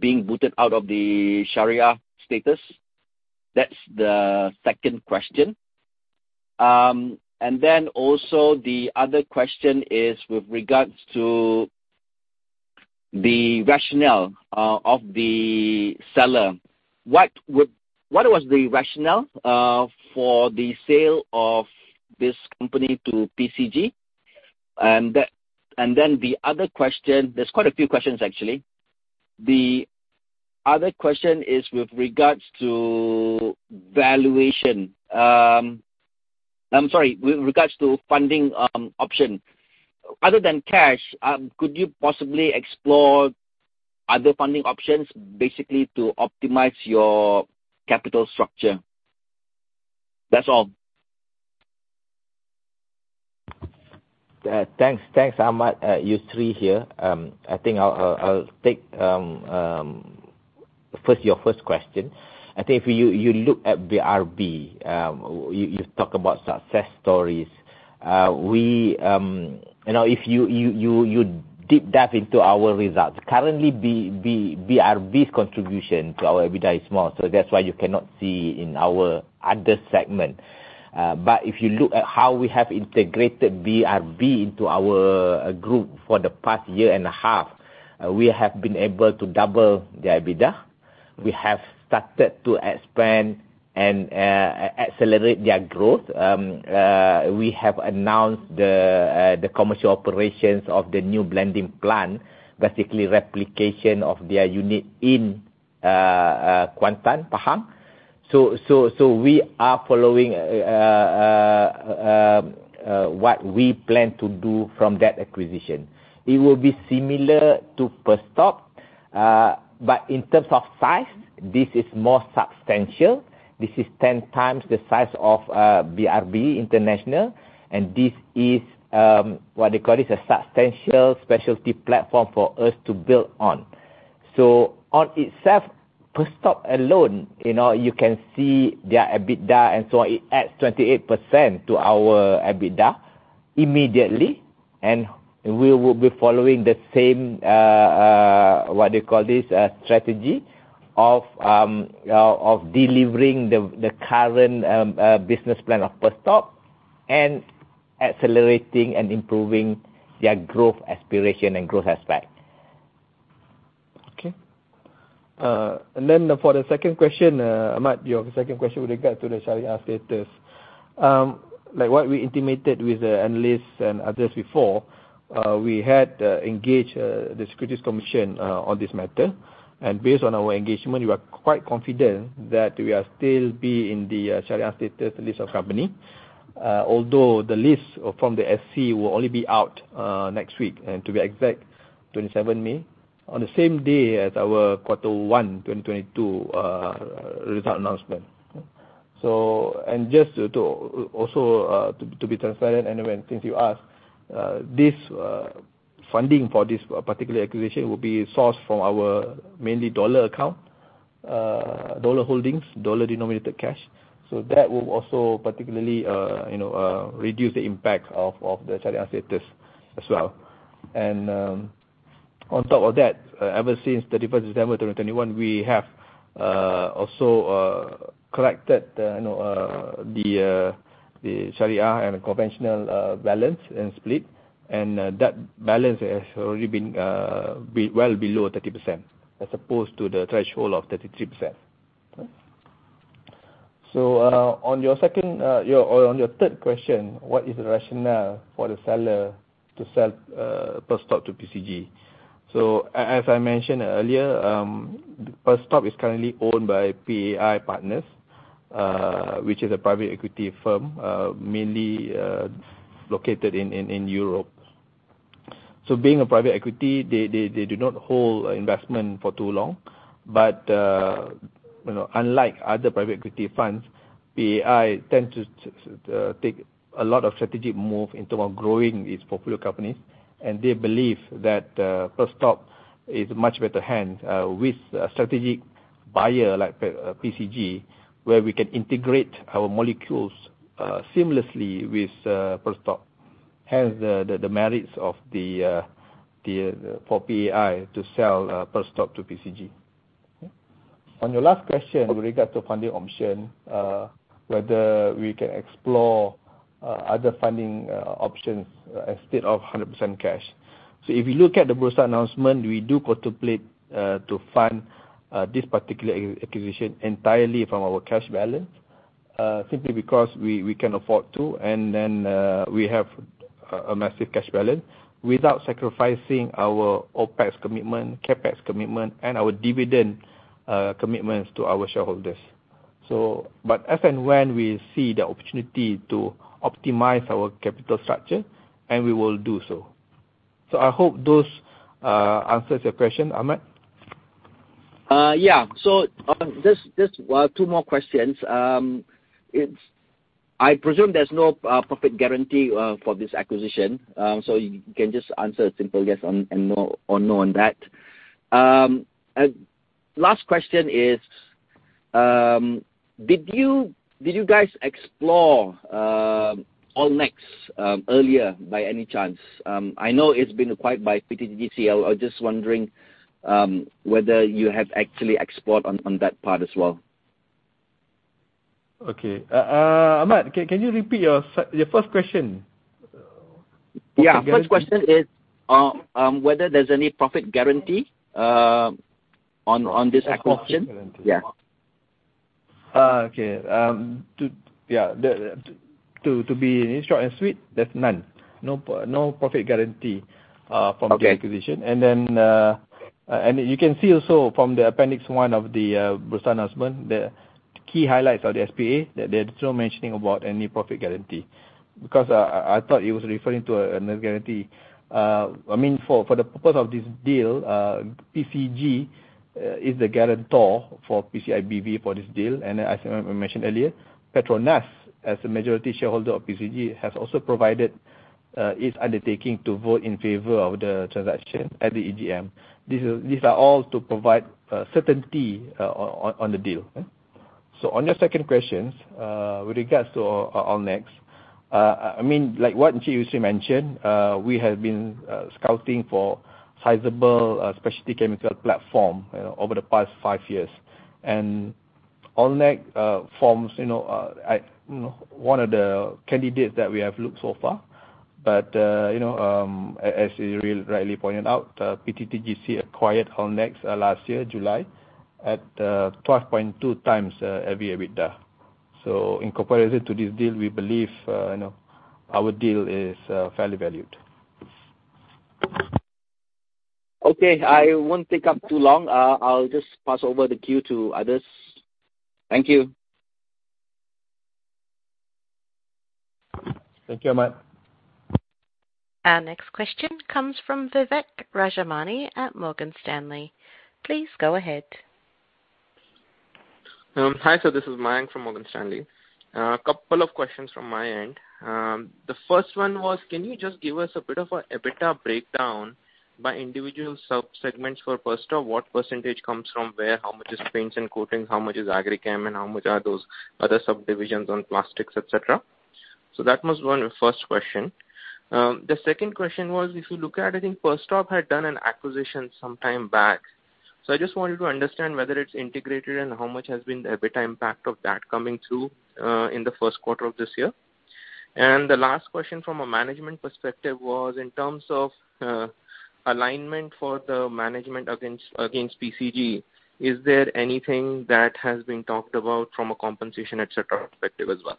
being booted out of the Shariah status? That's the second question. Then also the other question is with regards to the rationale of the seller. What was the rationale for the sale of this company to PCG? Then the other question. There's quite a few questions actually. The other question is with regards to valuation. I'm sorry, with regards to funding option. Other than cash, could you possibly explore other funding options basically to optimize your capital structure? That's all. Thanks. Thanks, Ahmad. Yusri here. I think I'll take first your first question. I think if you look at BRB, you talk about success stories. You know, if you deep dive into our results, currently BRB's contribution to our EBITDA is small, so that's why you cannot see in our other segment. If you look at how we have integrated BRB into our group for the past year and a half, we have been able to double the EBITDA. We have started to expand and accelerate their growth. We have announced the commercial operations of the new blending plant, basically replication of their unit in Kuantan, Pahang. We are following what we plan to do from that acquisition. It will be similar to Perstorp, but in terms of size, this is more substantial. This is 10x the size of BRB International, and this is what they call it, a substantial specialty platform for us to build on. On itself, Perstorp alone, you know, you can see their EBITDA and so it adds 28% to our EBITDA immediately, and we will be following the same what they call this strategy of delivering the current business plan of Perstorp and accelerating and improving their growth aspiration and growth aspect. Okay. For the second question, Ahmad, your second question with regard to the Shariah status. Like what we intimated with the analysts and others before, we had engaged the Securities Commission Malaysia on this matter. Based on our engagement, we are quite confident that we are still in the Shariah status list of company. Although the list from the SC will only be out next week, and to be exact, 27th May. On the same day as our quarter one 2022 result announcement. Just to also be transparent, since you asked, this funding for this particular acquisition will be sourced from our mainly dollar account, dollar holdings, dollar-denominated cash. That will also particularly, you know, reduce the impact of the Shariah status as well. On top of that, ever since 31st December 2021, we have also collected, you know, the Shariah and conventional balance and split, and that balance has already been well below 30% as opposed to the threshold of 33%. On your second or on your third question, what is the rationale for the seller to sell Perstorp to PCG? As I mentioned earlier, Perstorp is currently owned by PAI Partners, which is a private equity firm, mainly located in Europe. Being a private equity, they do not hold investment for too long. You know, unlike other private equity funds, PAI tend to take a lot of strategic move in terms of growing its portfolio companies. They believe that Perstorp is in much better hands with a strategic buyer like PCG, where we can integrate our molecules seamlessly with Perstorp, hence the merits for PAI to sell Perstorp to PCG. On your last question with regard to funding option, whether we can explore other funding options instead of 100% cash. If you look at the Bursa announcement, we do contemplate to fund this particular acquisition entirely from our cash balance, simply because we can afford to. We have a massive cash balance without sacrificing our OpEx commitment, CapEx commitment, and our dividend commitments to our shareholders. As and when we see the opportunity to optimize our capital structure, we will do so. I hope those answers your question, Ahmad. Yeah. Just two more questions. I presume there's no profit guarantee for this acquisition. You can just answer a simple yes or no on that. Last question is, did you guys explore Allnex earlier by any chance? I know it's been acquired by PTTGC. I was just wondering whether you have actually explored on that part as well. Okay. Ahmad, can you repeat your first question? Profit guarantee. Yeah. First question is whether there's any profit guarantee on this acquisition? Profit guarantee. Yeah. Okay. To be short and sweet, there's none. No profit guarantee. Okay From the acquisition. You can see also from appendix one of the Bursa announcement, the key highlights of the SPA, that there's no mentioning about any profit guarantee. Because I thought it was referring to a net guarantee. I mean, for the purpose of this deal, PCG is the guarantor for PCI BV for this deal. As I mentioned earlier, PETRONAS, as the majority shareholder of PCG, has also provided its undertaking to vote in favor of the transaction at the EGM. These are all to provide certainty on the deal. On your second questions, with regards to Allnex, I mean, like what Yusri mentioned, we have been scouting for sizable specialty chemical platform, you know, over the past five years. Allnex, you know, one of the candidates that we have looked so far. You know, rightly pointed out, PTTGC acquired Allnex last year, July, at 12.2x EBITDA. In comparison to this deal, we believe, you know, our deal is fairly valued. Okay. I won't take up too long. I'll just pass over the queue to others. Thank you. Thank you, Ahmad. Our next question comes from Vivek Rajamani at Morgan Stanley. Please go ahead. Hi. This is Mayank from Morgan Stanley. A couple of questions from my end. The first one was, can you just give us a bit of an EBITDA breakdown by individual subsegments for Perstorp? What percentage comes from where? How much is paints and coatings? How much is Agrichem? And how much are those other subdivisions on plastics, et cetera? That was one, first question. The second question was, if you look at, I think Perstorp had done an acquisition some time back. I just wanted to understand whether it's integrated and how much has been the EBITDA impact of that coming through, in the first quarter of this year. The last question from a management perspective was in terms of, alignment for the management against PCG, is there anything that has been talked about from a compensation, et cetera, perspective as well?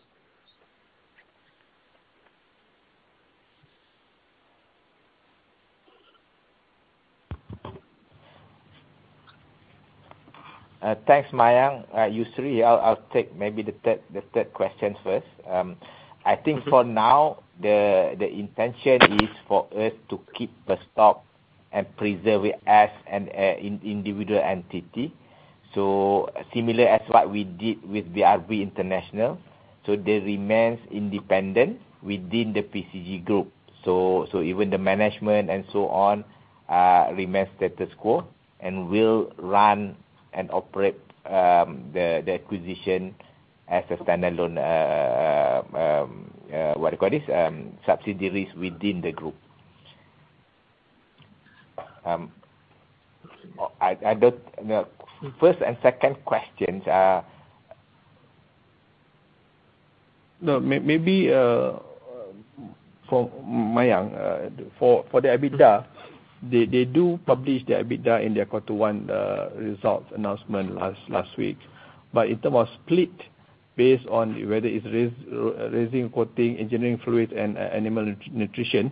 Thanks, Mayank. Yusri, I'll take maybe the third question first. I think for now, the intention is for us to keep Perstorp and preserve it as an individual entity, so similar as what we did with BRB International. They remain independent within the PCG Group. Even the management and so on remain status quo and will run and operate the acquisition as a standalone subsidiary within the group. The first and second questions are. No, maybe for Mayank, for the EBITDA, they do publish their EBITDA in their quarter one results announcement last week. In terms of split based on whether it's resin coating, engineering fluid, and animal nutrition,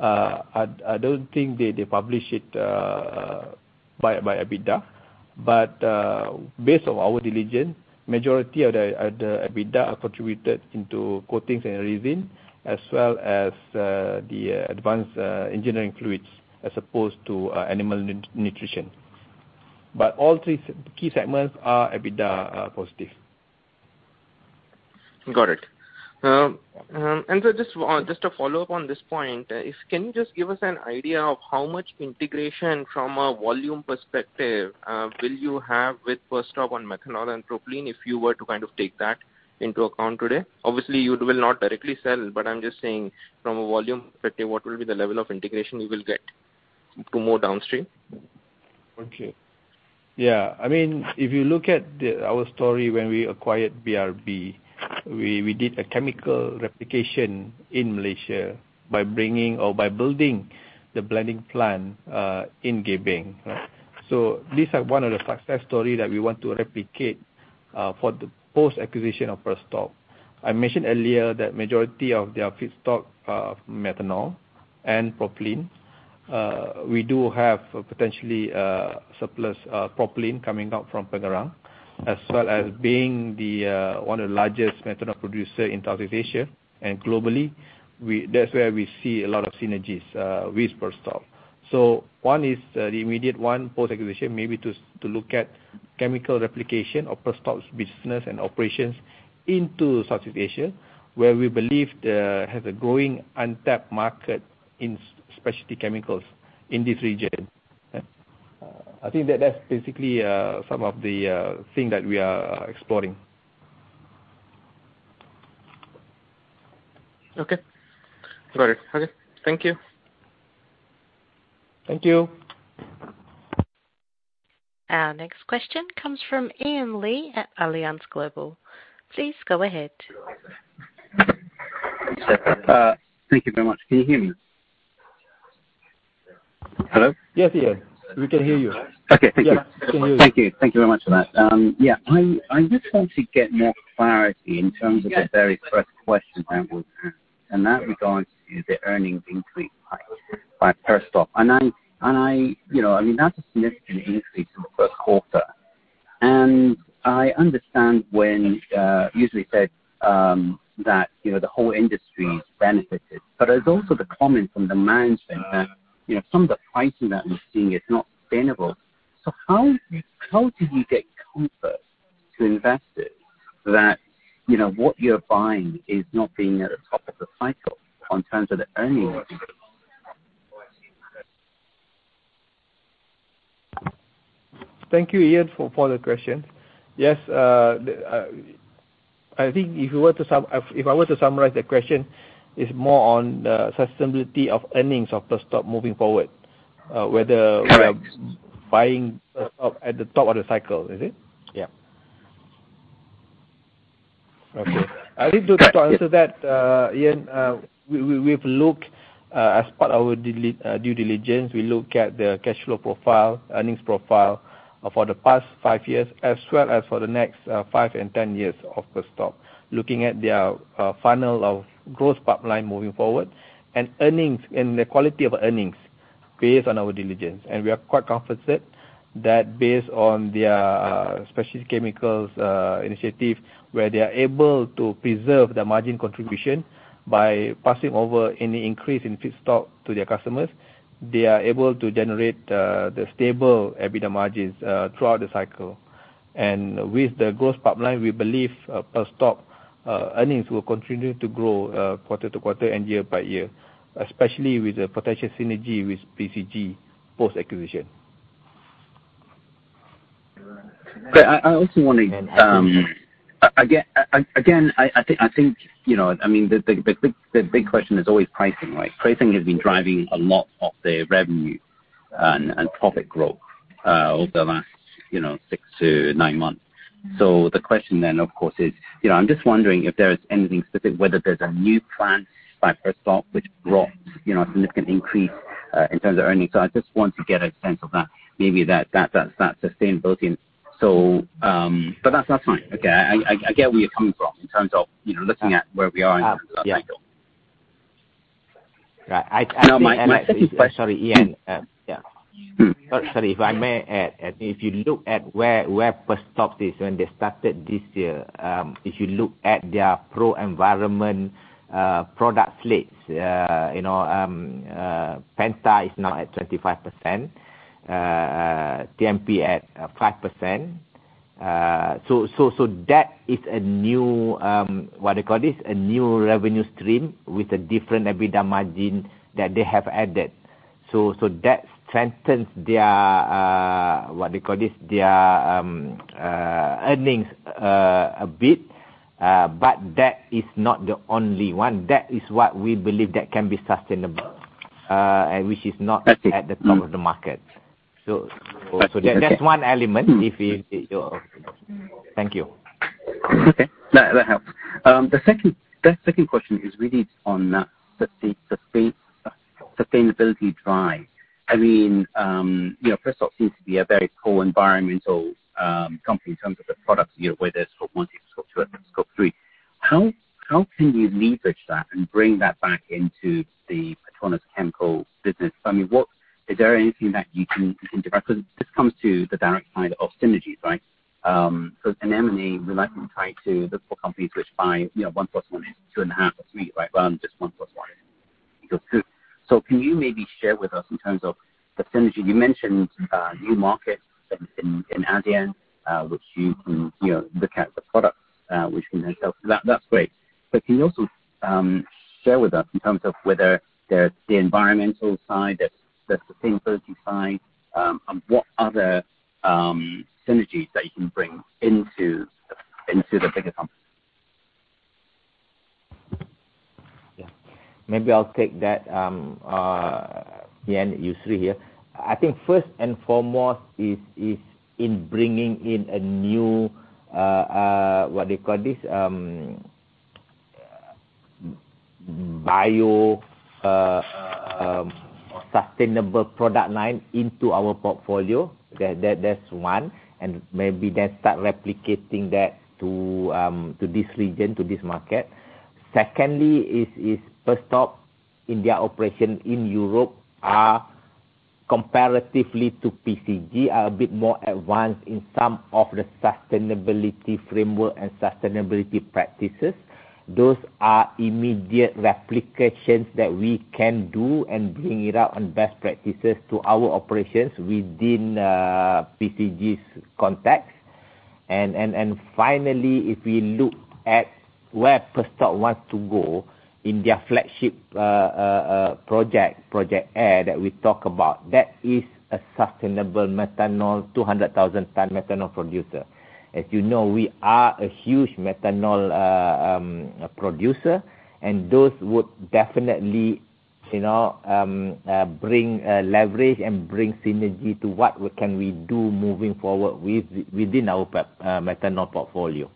I don't think they publish it by EBITDA. Based on our diligence, majority of the EBITDA are contributed into coatings and resin, as well as the advanced engineering fluids, as opposed to animal nutrition. All three key segments are EBITDA positive. Got it. To follow up on this point, can you just give us an idea of how much integration from a volume perspective will you have with Perstorp on methanol and propylene if you were to kind of take that into account today? Obviously, you will not directly sell, but I'm just saying from a volume perspective, what will be the level of integration you will get to more downstream? Okay. Yeah. I mean, if you look at our story when we acquired BRB, we did a chemical replication in Malaysia by bringing or by building the blending plant in Gebeng. These are one of the success story that we want to replicate for the post-acquisition of Perstorp. I mentioned earlier that majority of their feedstock, methanol and propylene, we do have potentially surplus propylene coming out from Pengerang, as well as being one of the largest methanol producer in Southeast Asia and globally. That's where we see a lot of synergies with Perstorp. One is the immediate one, post-acquisition may be to look at chemical replication of Perstorp's business and operations into Southeast Asia, where we believe there has a growing untapped market in specialty chemicals in this region. I think that that's basically some of the thing that we are exploring. Okay. Got it. Okay. Thank you. Thank you. Our next question comes from Ian Lee at Allianz Global Investors. Please go ahead. Thank you very much. Can you hear me? Hello? Yes, Ian, we can hear you. Okay. Thank you. Yeah. We can hear you. Thank you. Thank you very much for that. Yeah, I just want to get more clarity in terms of the very first question I would ask, and that regards to the earnings increase by Perstorp. You know, I mean, that's a significant increase from first quarter. I understand when usually said that you know the whole industry is benefited. There's also the comment from the management that you know some of the pricing that we're seeing is not sustainable. How did you get comfort to invest it so that you know what you're buying is not being at the top of the cycle in terms of the earnings? Thank you, Ian, for the question. Yes, I think if I were to summarize the question, it's more on the sustainability of earnings of Perstorp moving forward, whether. Correct. We are buying Perstorp at the top of the cycle, is it? Yeah. Okay. I think to answer that, Ian, we've looked as part of our due diligence, we look at the cash flow profile, earnings profile for the past five years as well as for the next five and ten years of Perstorp. Looking at their funnel of growth pipeline moving forward and earnings and the quality of earnings based on our diligence. We are quite confident that based on their specialty chemicals initiative, where they are able to preserve the margin contribution by passing over any increase in feedstock to their customers, they are able to generate the stable EBITDA margins throughout the cycle. With the growth pipeline, we believe Perstorp earnings will continue to grow quarter to quarter and year by year, especially with the potential synergy with PCG post-acquisition. I also wanna. I think, you know, I mean, the big question is always pricing, right? Pricing has been driving a lot of the revenue and profit growth over the last, you know, 6-9 months. The question then, of course, is, you know, I'm just wondering if there is anything specific, whether there's a new plant by Perstorp which brought, you know, a significant increase in terms of earnings. I just want to get a sense of that. Maybe that sustainability. That's fine. Okay. I get where you're coming from in terms of, you know, looking at where we are in terms of that cycle. Yeah. Right. No, my second que- Sorry, Ian. Yeah. Sorry. If I may add, if you look at where Perstorp is when they started this year, if you look at their Pro-Environment product slates, you know, Penta is now at 25%, TMP at 5%. That is a new revenue stream with a different EBITDA margin that they have added. That strengthens their earnings a bit, but that is not the only one. That is what we believe that can be sustainable, and which is not- That's it. Mm-hmm. at the top of the market. That's it. Okay. That's one element if you know. Thank you. Okay. That helps. The second question is really on the sustainability drive. I mean, you know, Perstorp seems to be a very pro-environmental company in terms of the products, you know, whether it's Scope one, Scope two, or Scope three. How can you leverage that and bring that back into the PETRONAS Chemicals business? I mean, what is there anything that you can do? Because this comes to the direct side of synergies, right? M&A, we like to tie to the four companies which buy, you know, 1 + 1 is 2.5 or three, right? Well, just 1 + 1= 2. Can you maybe share with us in terms of the synergy? You mentioned new markets in Asian, which you can, you know, look at the products, which can help. That, that's great. Can you also share with us in terms of whether there's the environmental side, the sustainability side, and what other synergies that you can bring into the bigger company? Yeah. Maybe I'll take that. Yeah, Yusri here. I think first and foremost is in bringing in a new bio sustainable product line into our portfolio. That's one, and maybe then start replicating that to this region, to this market. Secondly is Perstorp in their operation in Europe are comparatively to PCG, are a bit more advanced in some of the sustainability framework and sustainability practices. Those are immediate replications that we can do and bring it up on best practices to our operations within PCG's context. Finally, if we look at where Perstorp wants to go in their flagship project, Project Air, that we talk about, that is a sustainable methanol 200,000 ton methanol producer. As you know, we are a huge methanol producer, and those would definitely, you know, bring leverage and bring synergy to what we can do moving forward within our methanol portfolio.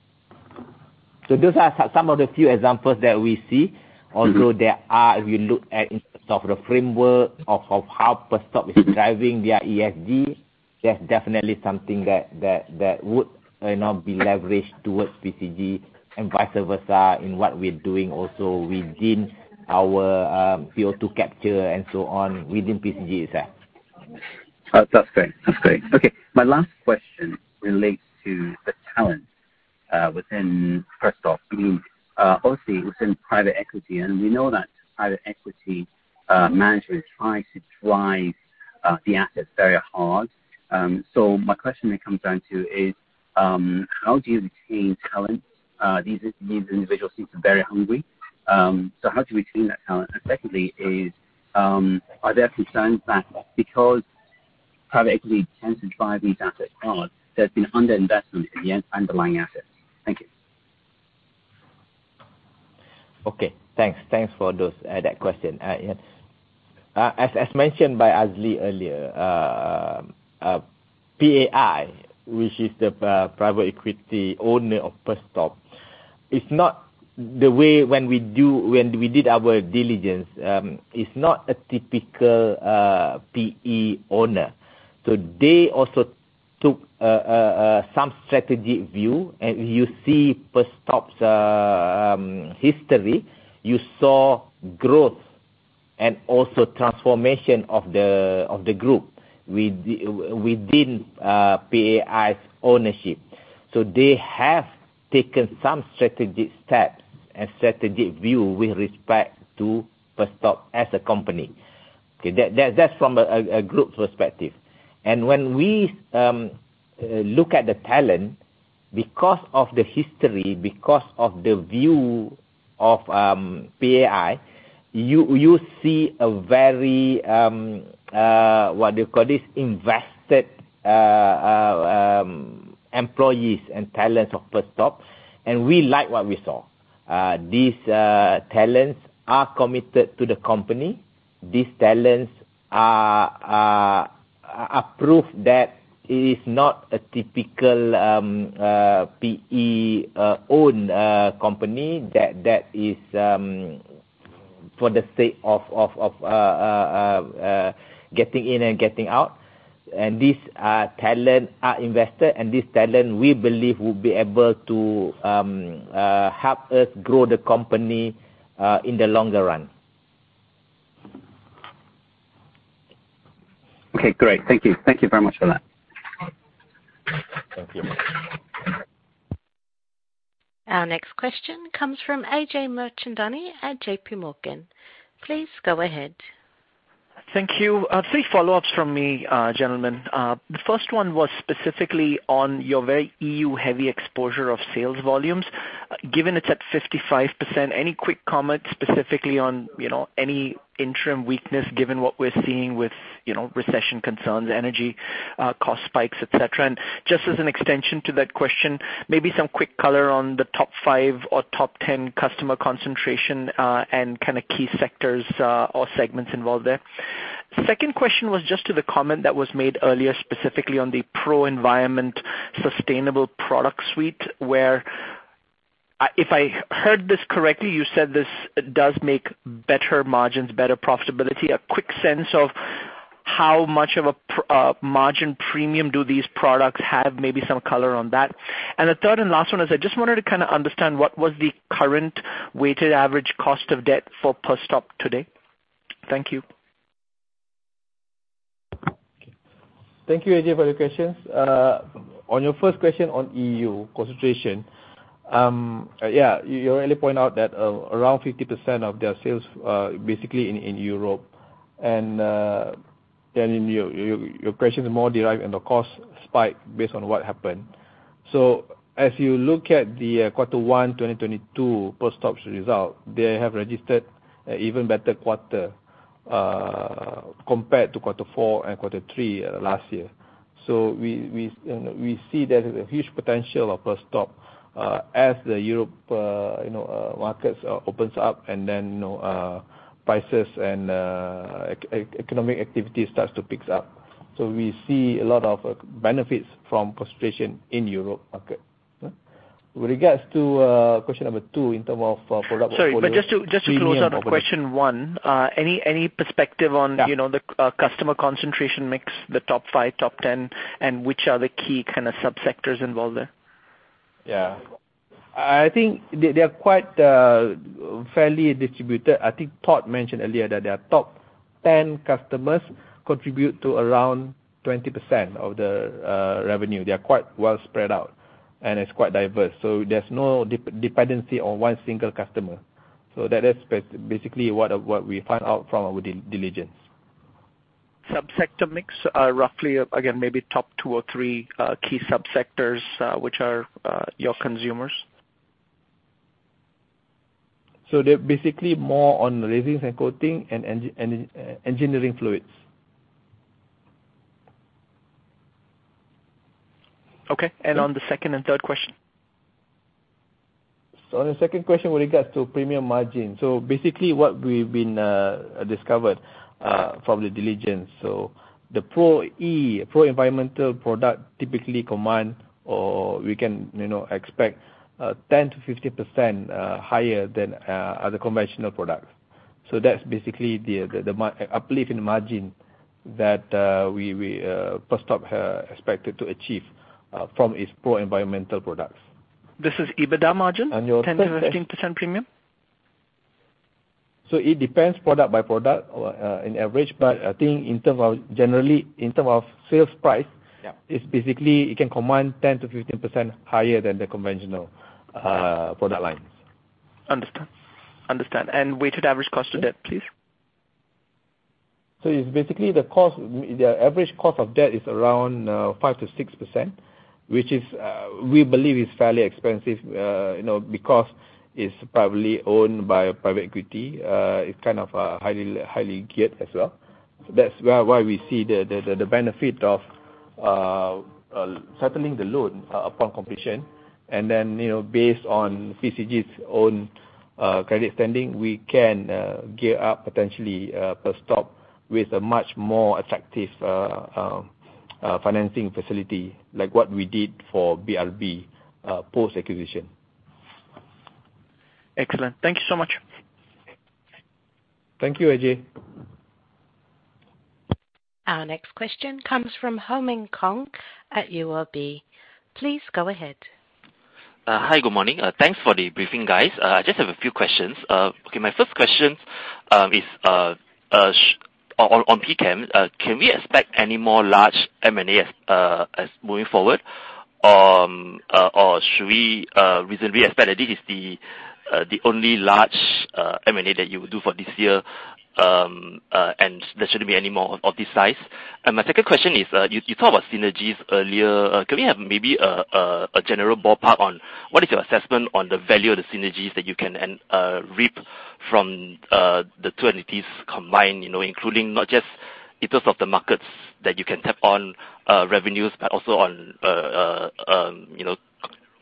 Those are some of the few examples that we see. Mm-hmm. Although there are, if you look at in terms of the framework of how Perstorp is driving their ESG, that's definitely something that would, you know, be leveraged towards PCG and vice versa in what we're doing also within our CO2 capture and so on within PCG itself. That's great. My last question relates to the talent within Perstorp. I mean, obviously within private equity, and we know that private equity managers try to drive the assets very hard. My question then comes down to is how do you retain talent? These individuals seem very hungry. So how do we retain that talent? Secondly is are there concerns that because private equity tends to drive these assets hard, there's been underinvestments in the underlying assets? Thank you. Okay. Thanks for that question. Yes. As mentioned by Azli earlier, PAI, which is the private equity owner of Perstorp, it's not the way when we did our diligence, is not a typical PE owner. They also took some strategic view. You see Perstorp's history, you saw growth and also transformation of the group within PAI's ownership. They have taken some strategic steps and strategic view with respect to Perstorp as a company. Okay. That's from a group perspective. When we look at the talent, because of the history, because of the view of PAI, you see a very what do you call this? Invested employees and talents of Perstorp, and we like what we saw. These talents are committed to the company. These talents are a proof that it is not a typical PE owned company that is for the sake of getting in and getting out. These talent are invested and this talent we believe will be able to help us grow the company in the longer run. Okay. Great. Thank you. Thank you very much for that. Thank you. Our next question comes from Ajay Mirchandani at JPMorgan. Please go ahead. Thank you. Three follow-ups from me, gentlemen. The first one was specifically on your very EU-heavy exposure of sales volumes. Given it's at 55%, any quick comments specifically on, you know, any interim weakness given what we're seeing with, you know, recession concerns, energy, cost spikes, et cetera? Just as an extension to that question, maybe some quick color on the top five or top 10 customer concentration, and kinda key sectors, or segments involved there. Second question was just to the comment that was made earlier, specifically on the Pro-Environment sustainable product suite, where if I heard this correctly, you said this does make better margins, better profitability. A quick sense of how much of a margin premium do these products have, maybe some color on that. The third and last one is I just wanted to kinda understand what was the current weighted average cost of debt for Perstorp today. Thank you. Thank you, Ajay, for your questions. On your first question on EU concentration, you really point out that around 50% of their sales basically in Europe. In your question is more driven by the cost spike based on what happened. As you look at the quarter one 2022 Perstorp's result, they have registered even better quarter compared to quarter four and quarter three last year. You know, we see there's a huge potential of Perstorp as the European markets opens up and then, you know, prices and economic activity starts to pick up. We see a lot of benefits from concentration in European market. With regards to question number two in terms of product portfolio. Sorry. Just to close out on question one, any perspective on? Yeah. You know, the customer concentration mix, the top five, top 10, and which are the key kinda subsectors involved there? Yeah. I think they're quite fairly distributed. I think Todd mentioned earlier that their top 10 customers contribute to around 20% of the revenue. They're quite well spread out, and it's quite diverse. There's no dependency on one single customer. That is basically what we find out from our due diligence. Subsector mix, roughly, again, maybe top two or three key subsectors, which are your consumers. They're basically more on resins and coating and engineering fluids. Okay. On the second and third question. On the second question with regards to premium margin. Basically what we've discovered from the diligence. The Pro-Environment product typically command or we can, you know, expect 10%-15% higher than other conventional products. That's basically the margin uplift in margin that Perstorp expected to achieve from its Pro-Environment products. This is EBITDA margin. On your third question. 10%-15% premium? It depends product by product or on average. I think in terms of generally, in terms of sales price- Yeah. It's basically it can command 10%-15% higher than the conventional product lines. Understand. Weighted average cost of debt, please. It's basically the cost, the average cost of debt is around 5%-6%, which we believe is fairly expensive, you know, because it's probably owned by a private equity. It's kind of highly geared as well. That's why we see the benefit of settling the loan upon completion. You know, based on PCG's own credit standing, we can gear up, potentially, Perstorp with a much more attractive financing facility like what we did for BRB post-acquisition. Excellent. Thank you so much. Thank you, Ajay. Our next question comes from Hie Ming Kong at UOB. Please go ahead. Hi, good morning. Thanks for the briefing, guys. I just have a few questions. Okay. My first question is on PCG. Can we expect any more large M&A as moving forward? Or should we reasonably expect that this is the only large M&A that you would do for this year, and there shouldn't be any more of this size? My second question is, you talked about synergies earlier. Can we have maybe a general ballpark on what is your assessment on the value of the synergies that you can reap from the two entities combined, you know, including not just in terms of the markets that you can tap on, revenues, but also on, you know,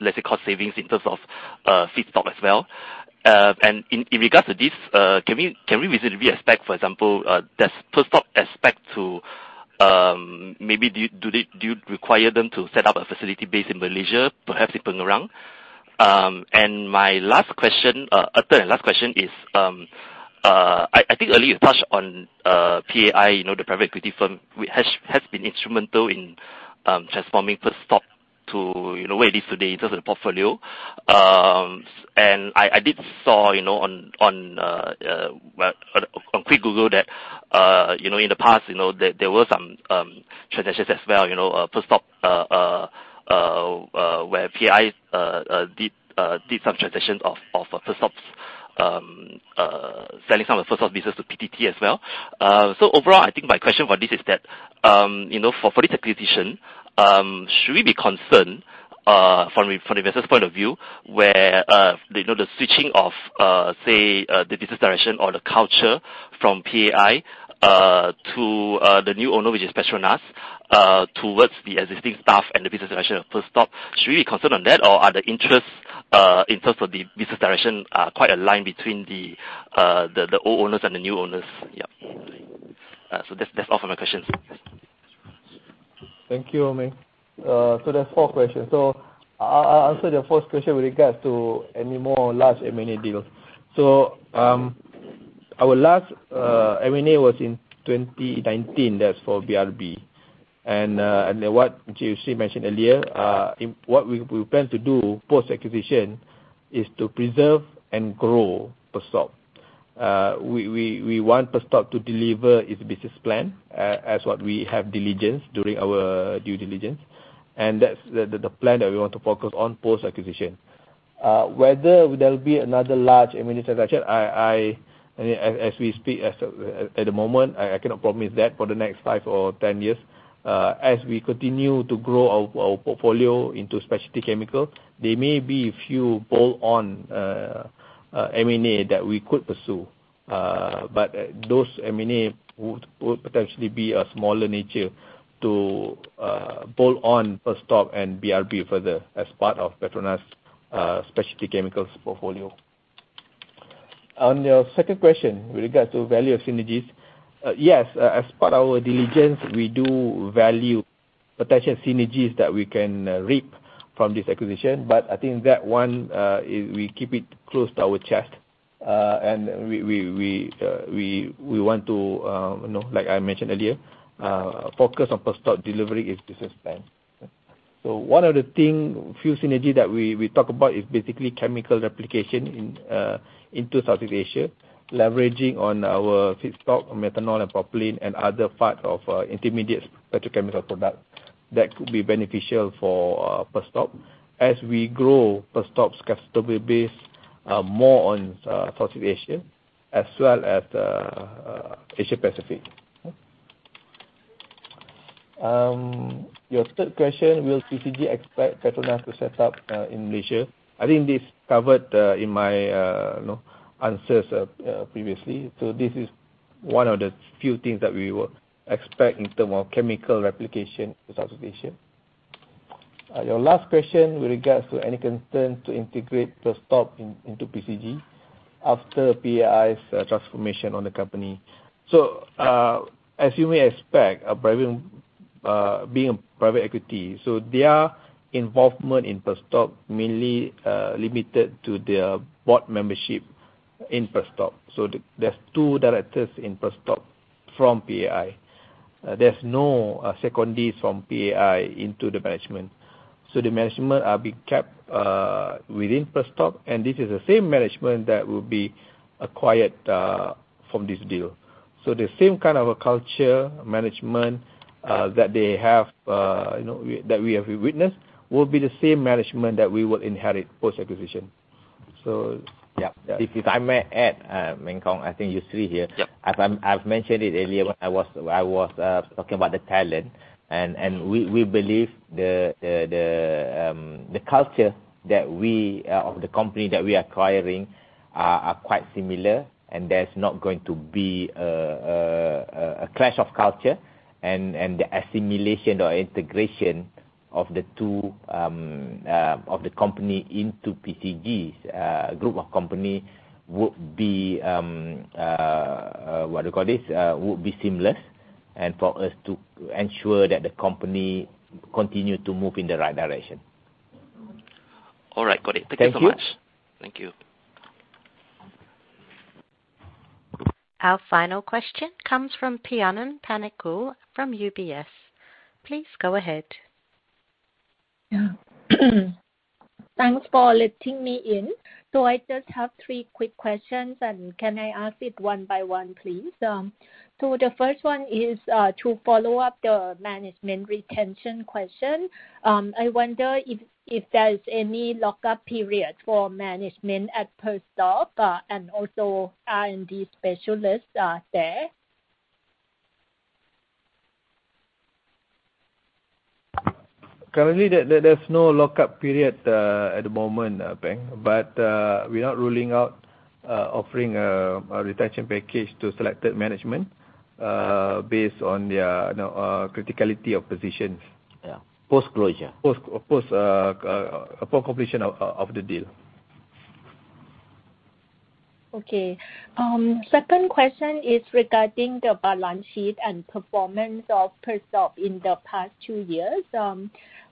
let's say cost savings in terms of feedstock as well? In regards to this, can we reasonably expect, for example, do you require them to set up a facility base in Malaysia, perhaps in Penang? My last question, third and last question is, I think earlier you touched on PAI, you know, the private equity firm which has been instrumental in transforming Perstorp to, you know, where it is today in terms of the portfolio. I did see, you know, well, on quick Google that, you know, in the past, you know, there were some transactions as well, you know, Perstorp, where PAI did some transactions of Perstorp's selling some of Perstorp business to PTT as well. Overall, I think my question for this is that, you know, for this acquisition, should we be concerned from the investor's point of view, where, you know, the switching of say the business direction or the culture from PAI to the new owner, which is PETRONAS, towards the existing staff and the business direction of Perstorp? Should we be concerned on that, or are the interests in terms of the business direction are quite aligned between the old owners and the new owners? Yeah. That's all for my questions. Thank you, Ming. There's four questions. I'll answer the first question with regards to any more large M&A deals. Our last M&A was in 2019. That's for BRB. What Yusri mentioned earlier, what we plan to do post-acquisition is to preserve and grow Perstorp. We want Perstorp to deliver its business plan as we diligenced during our due diligence, and that's the plan that we want to focus on post-acquisition. Whether there'll be another large M&A transaction, I mean, as we speak, at the moment, I cannot promise that for the next 5 or 10 years. As we continue to grow our portfolio into specialty chemicals, there may be a few bolt-on M&A that we could pursue. Those M&A would potentially be of a smaller nature to bolt on Perstorp and BRB further as part of PETRONAS's specialty chemicals portfolio. On your second question with regards to value of synergies, yes, as part of our diligence, we do value potential synergies that we can reap from this acquisition. I think that one, we keep it close to our chest. We want to, you know, like I mentioned earlier, focus on Perstorp delivering its business plan. One of the things, a few synergies that we talk about is basically chemical replication into Southeast Asia, leveraging on our feedstock, methanol and propylene and other part of intermediate petrochemical product that could be beneficial for Perstorp as we grow Perstorp's customer base more on Southeast Asia as well as Asia Pacific. Your third question, will PCG expect PETRONAS to set up in Malaysia? I think this is covered in my you know answers previously. This is one of the few things that we will expect in terms of chemical replication to Southeast Asia. Your last question with regards to any concern to integrate Perstorp into PCG after PAI's transformation on the company. As you may expect, a private equity, their involvement in Perstorp mainly limited to their board membership in Perstorp. There's 2 directors in Perstorp from PAI. There's no secondees from PAI into the management, so the management are being kept within Perstorp, and this is the same management that will be acquired from this deal. The same kind of a culture management that they have, you know, that we have witnessed will be the same management that we will inherit post-acquisition. Yeah. Yeah. If I may add, Ming Kong, I think you see here. Yep. I've mentioned it earlier when I was talking about the talent, and we believe the culture of the company that we're acquiring is quite similar, and there's not going to be a clash of culture, and the assimilation or integration of the two companies into PCG's group of companies would be seamless, and for us to ensure that the company continues to move in the right direction. All right. Got it. Thank you. Thank you so much. Thank you. Our final question comes from Piyanan Panichkul from UBS. Please go ahead. Yeah. Thanks for letting me in. I just have three quick questions and can I ask it one by one please? The first one is to follow up the management retention question. I wonder if there's any lockup period for management at Perstorp, and also R&D specialists are there? Currently, there's no lockup period at the moment, Piyanan. We're not ruling out offering a retention package to selected management based on their, you know, criticality of positions. Yeah. Post-closure. Post completion of the deal. Okay. Second question is regarding the balance sheet and performance of Perstorp in the past two years.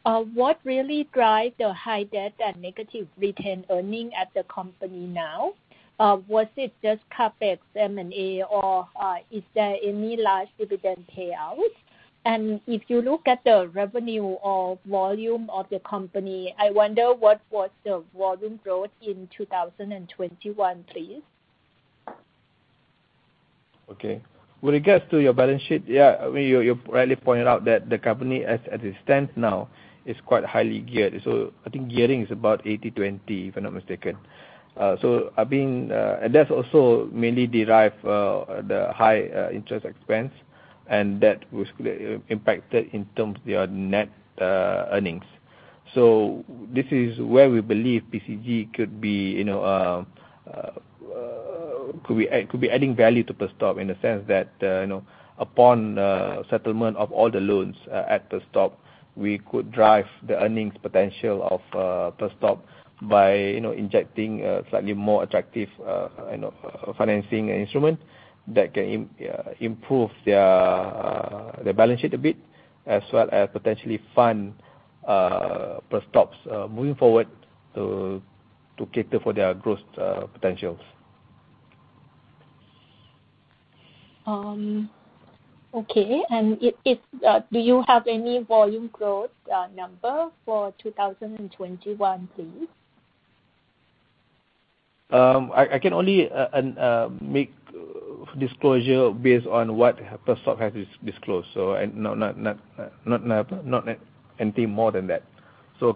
What really drive the high debt and negative return earning at the company now? Was it just CapEx M&A or is there any large dividend payout? If you look at the revenue or volume of the company, I wonder what was the volume growth in 2021, please? Okay. When it gets to your balance sheet, I mean, you rightly pointed out that the company as it stands now is quite highly geared. I think gearing is about 80/20, if I'm not mistaken. That's also mainly driven by the high interest expense, and that was impacted in terms of their net earnings. This is where we believe PCG could be, you know, could be adding value to Perstorp in the sense that, you know, upon settlement of all the loans at Perstorp, we could drive the earnings potential of Perstorp by, you know, injecting slightly more attractive, you know, financing instrument that can improve their balance sheet a bit as well as potentially fund Perstorp's moving forward to cater for their growth potentials. Do you have any volume growth number for 2021, please? I can only make disclosure based on what Perstorp has disclosed, and not anything more than that.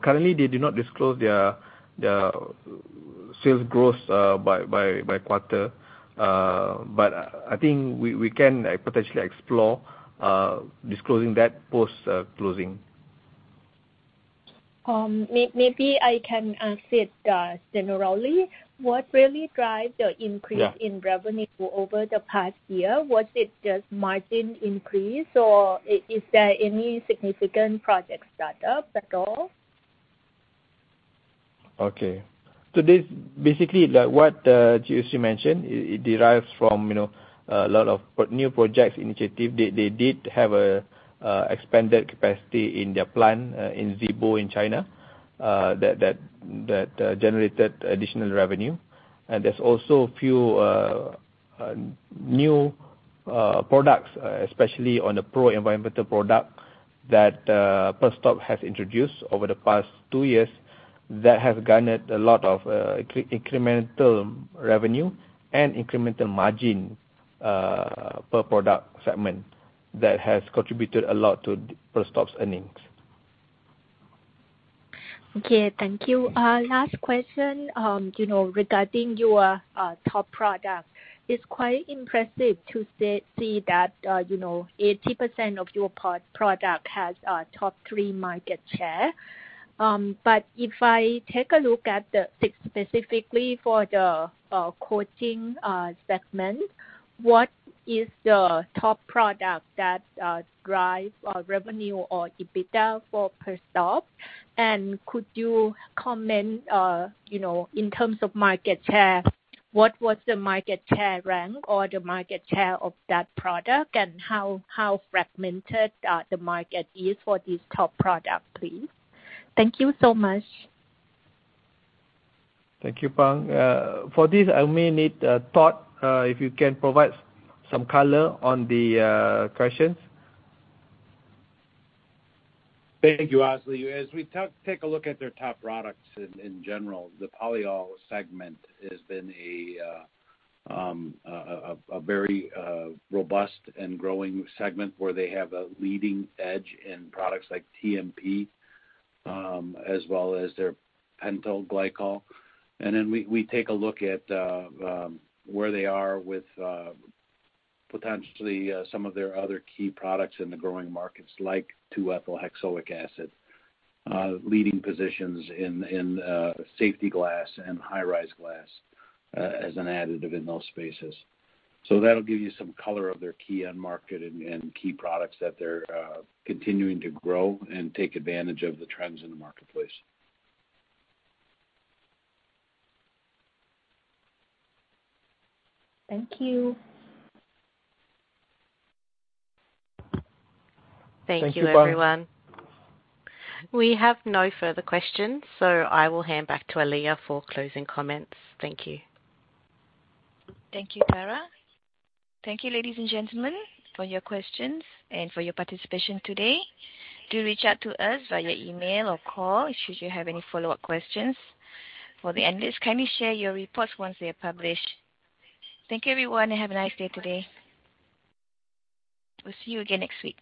Currently, they do not disclose their sales growth by quarter. I think we can potentially explore disclosing that post-closing. Maybe I can ask it generally, what really drives the increase? Yeah. In revenue for over the past year? Was it just margin increase or is there any significant project startup at all? Okay. This, basically, like what Yusri mentioned, it derives from, you know, a lot of new projects initiative. They did have a expanded capacity in their plant in Zibo in China that generated additional revenue. There's also few new products, especially on the Pro-Environment product that Perstorp has introduced over the past two years that have garnered a lot of incremental revenue and incremental margin per product segment that has contributed a lot to Perstorp's earnings. Okay, thank you. Last question, you know, regarding your top product. It's quite impressive to see that, you know, 80% of your pro-product has a top three market share. But if I take a look at the specifically for the coating segment, what is the top product that drive revenue or EBITDA for Perstorp? And could you comment, you know, in terms of market share, what was the market share rank or the market share of that product and how fragmented the market is for this top product, please? Thank you so much. Thank you, Pang. For this, I may need Todd, if you can provide some color on the questions. Thank you, Azli. As we take a look at their top products in general, the polyol segment has been a very robust and growing segment where they have a leading edge in products like TMP, as well as their neopentyl glycol. Then we take a look at where they are with potentially some of their other key products in the growing markets, like 2-ethylhexanoic acid, leading positions in safety glass and high-rise glass, as an additive in those spaces. That'll give you some color of their key end market and key products that they're continuing to grow and take advantage of the trends in the marketplace. Thank you. Thank you, Pang. Thank you, everyone. We have no further questions, so I will hand back to Alia for closing comments. Thank you. Thank you, Tara. Thank you, ladies and gentlemen, for your questions and for your participation today. Do reach out to us via email or call should you have any follow-up questions. For the analysts, kindly share your reports once they are published. Thank you, everyone, and have a nice day today. We'll see you again next week.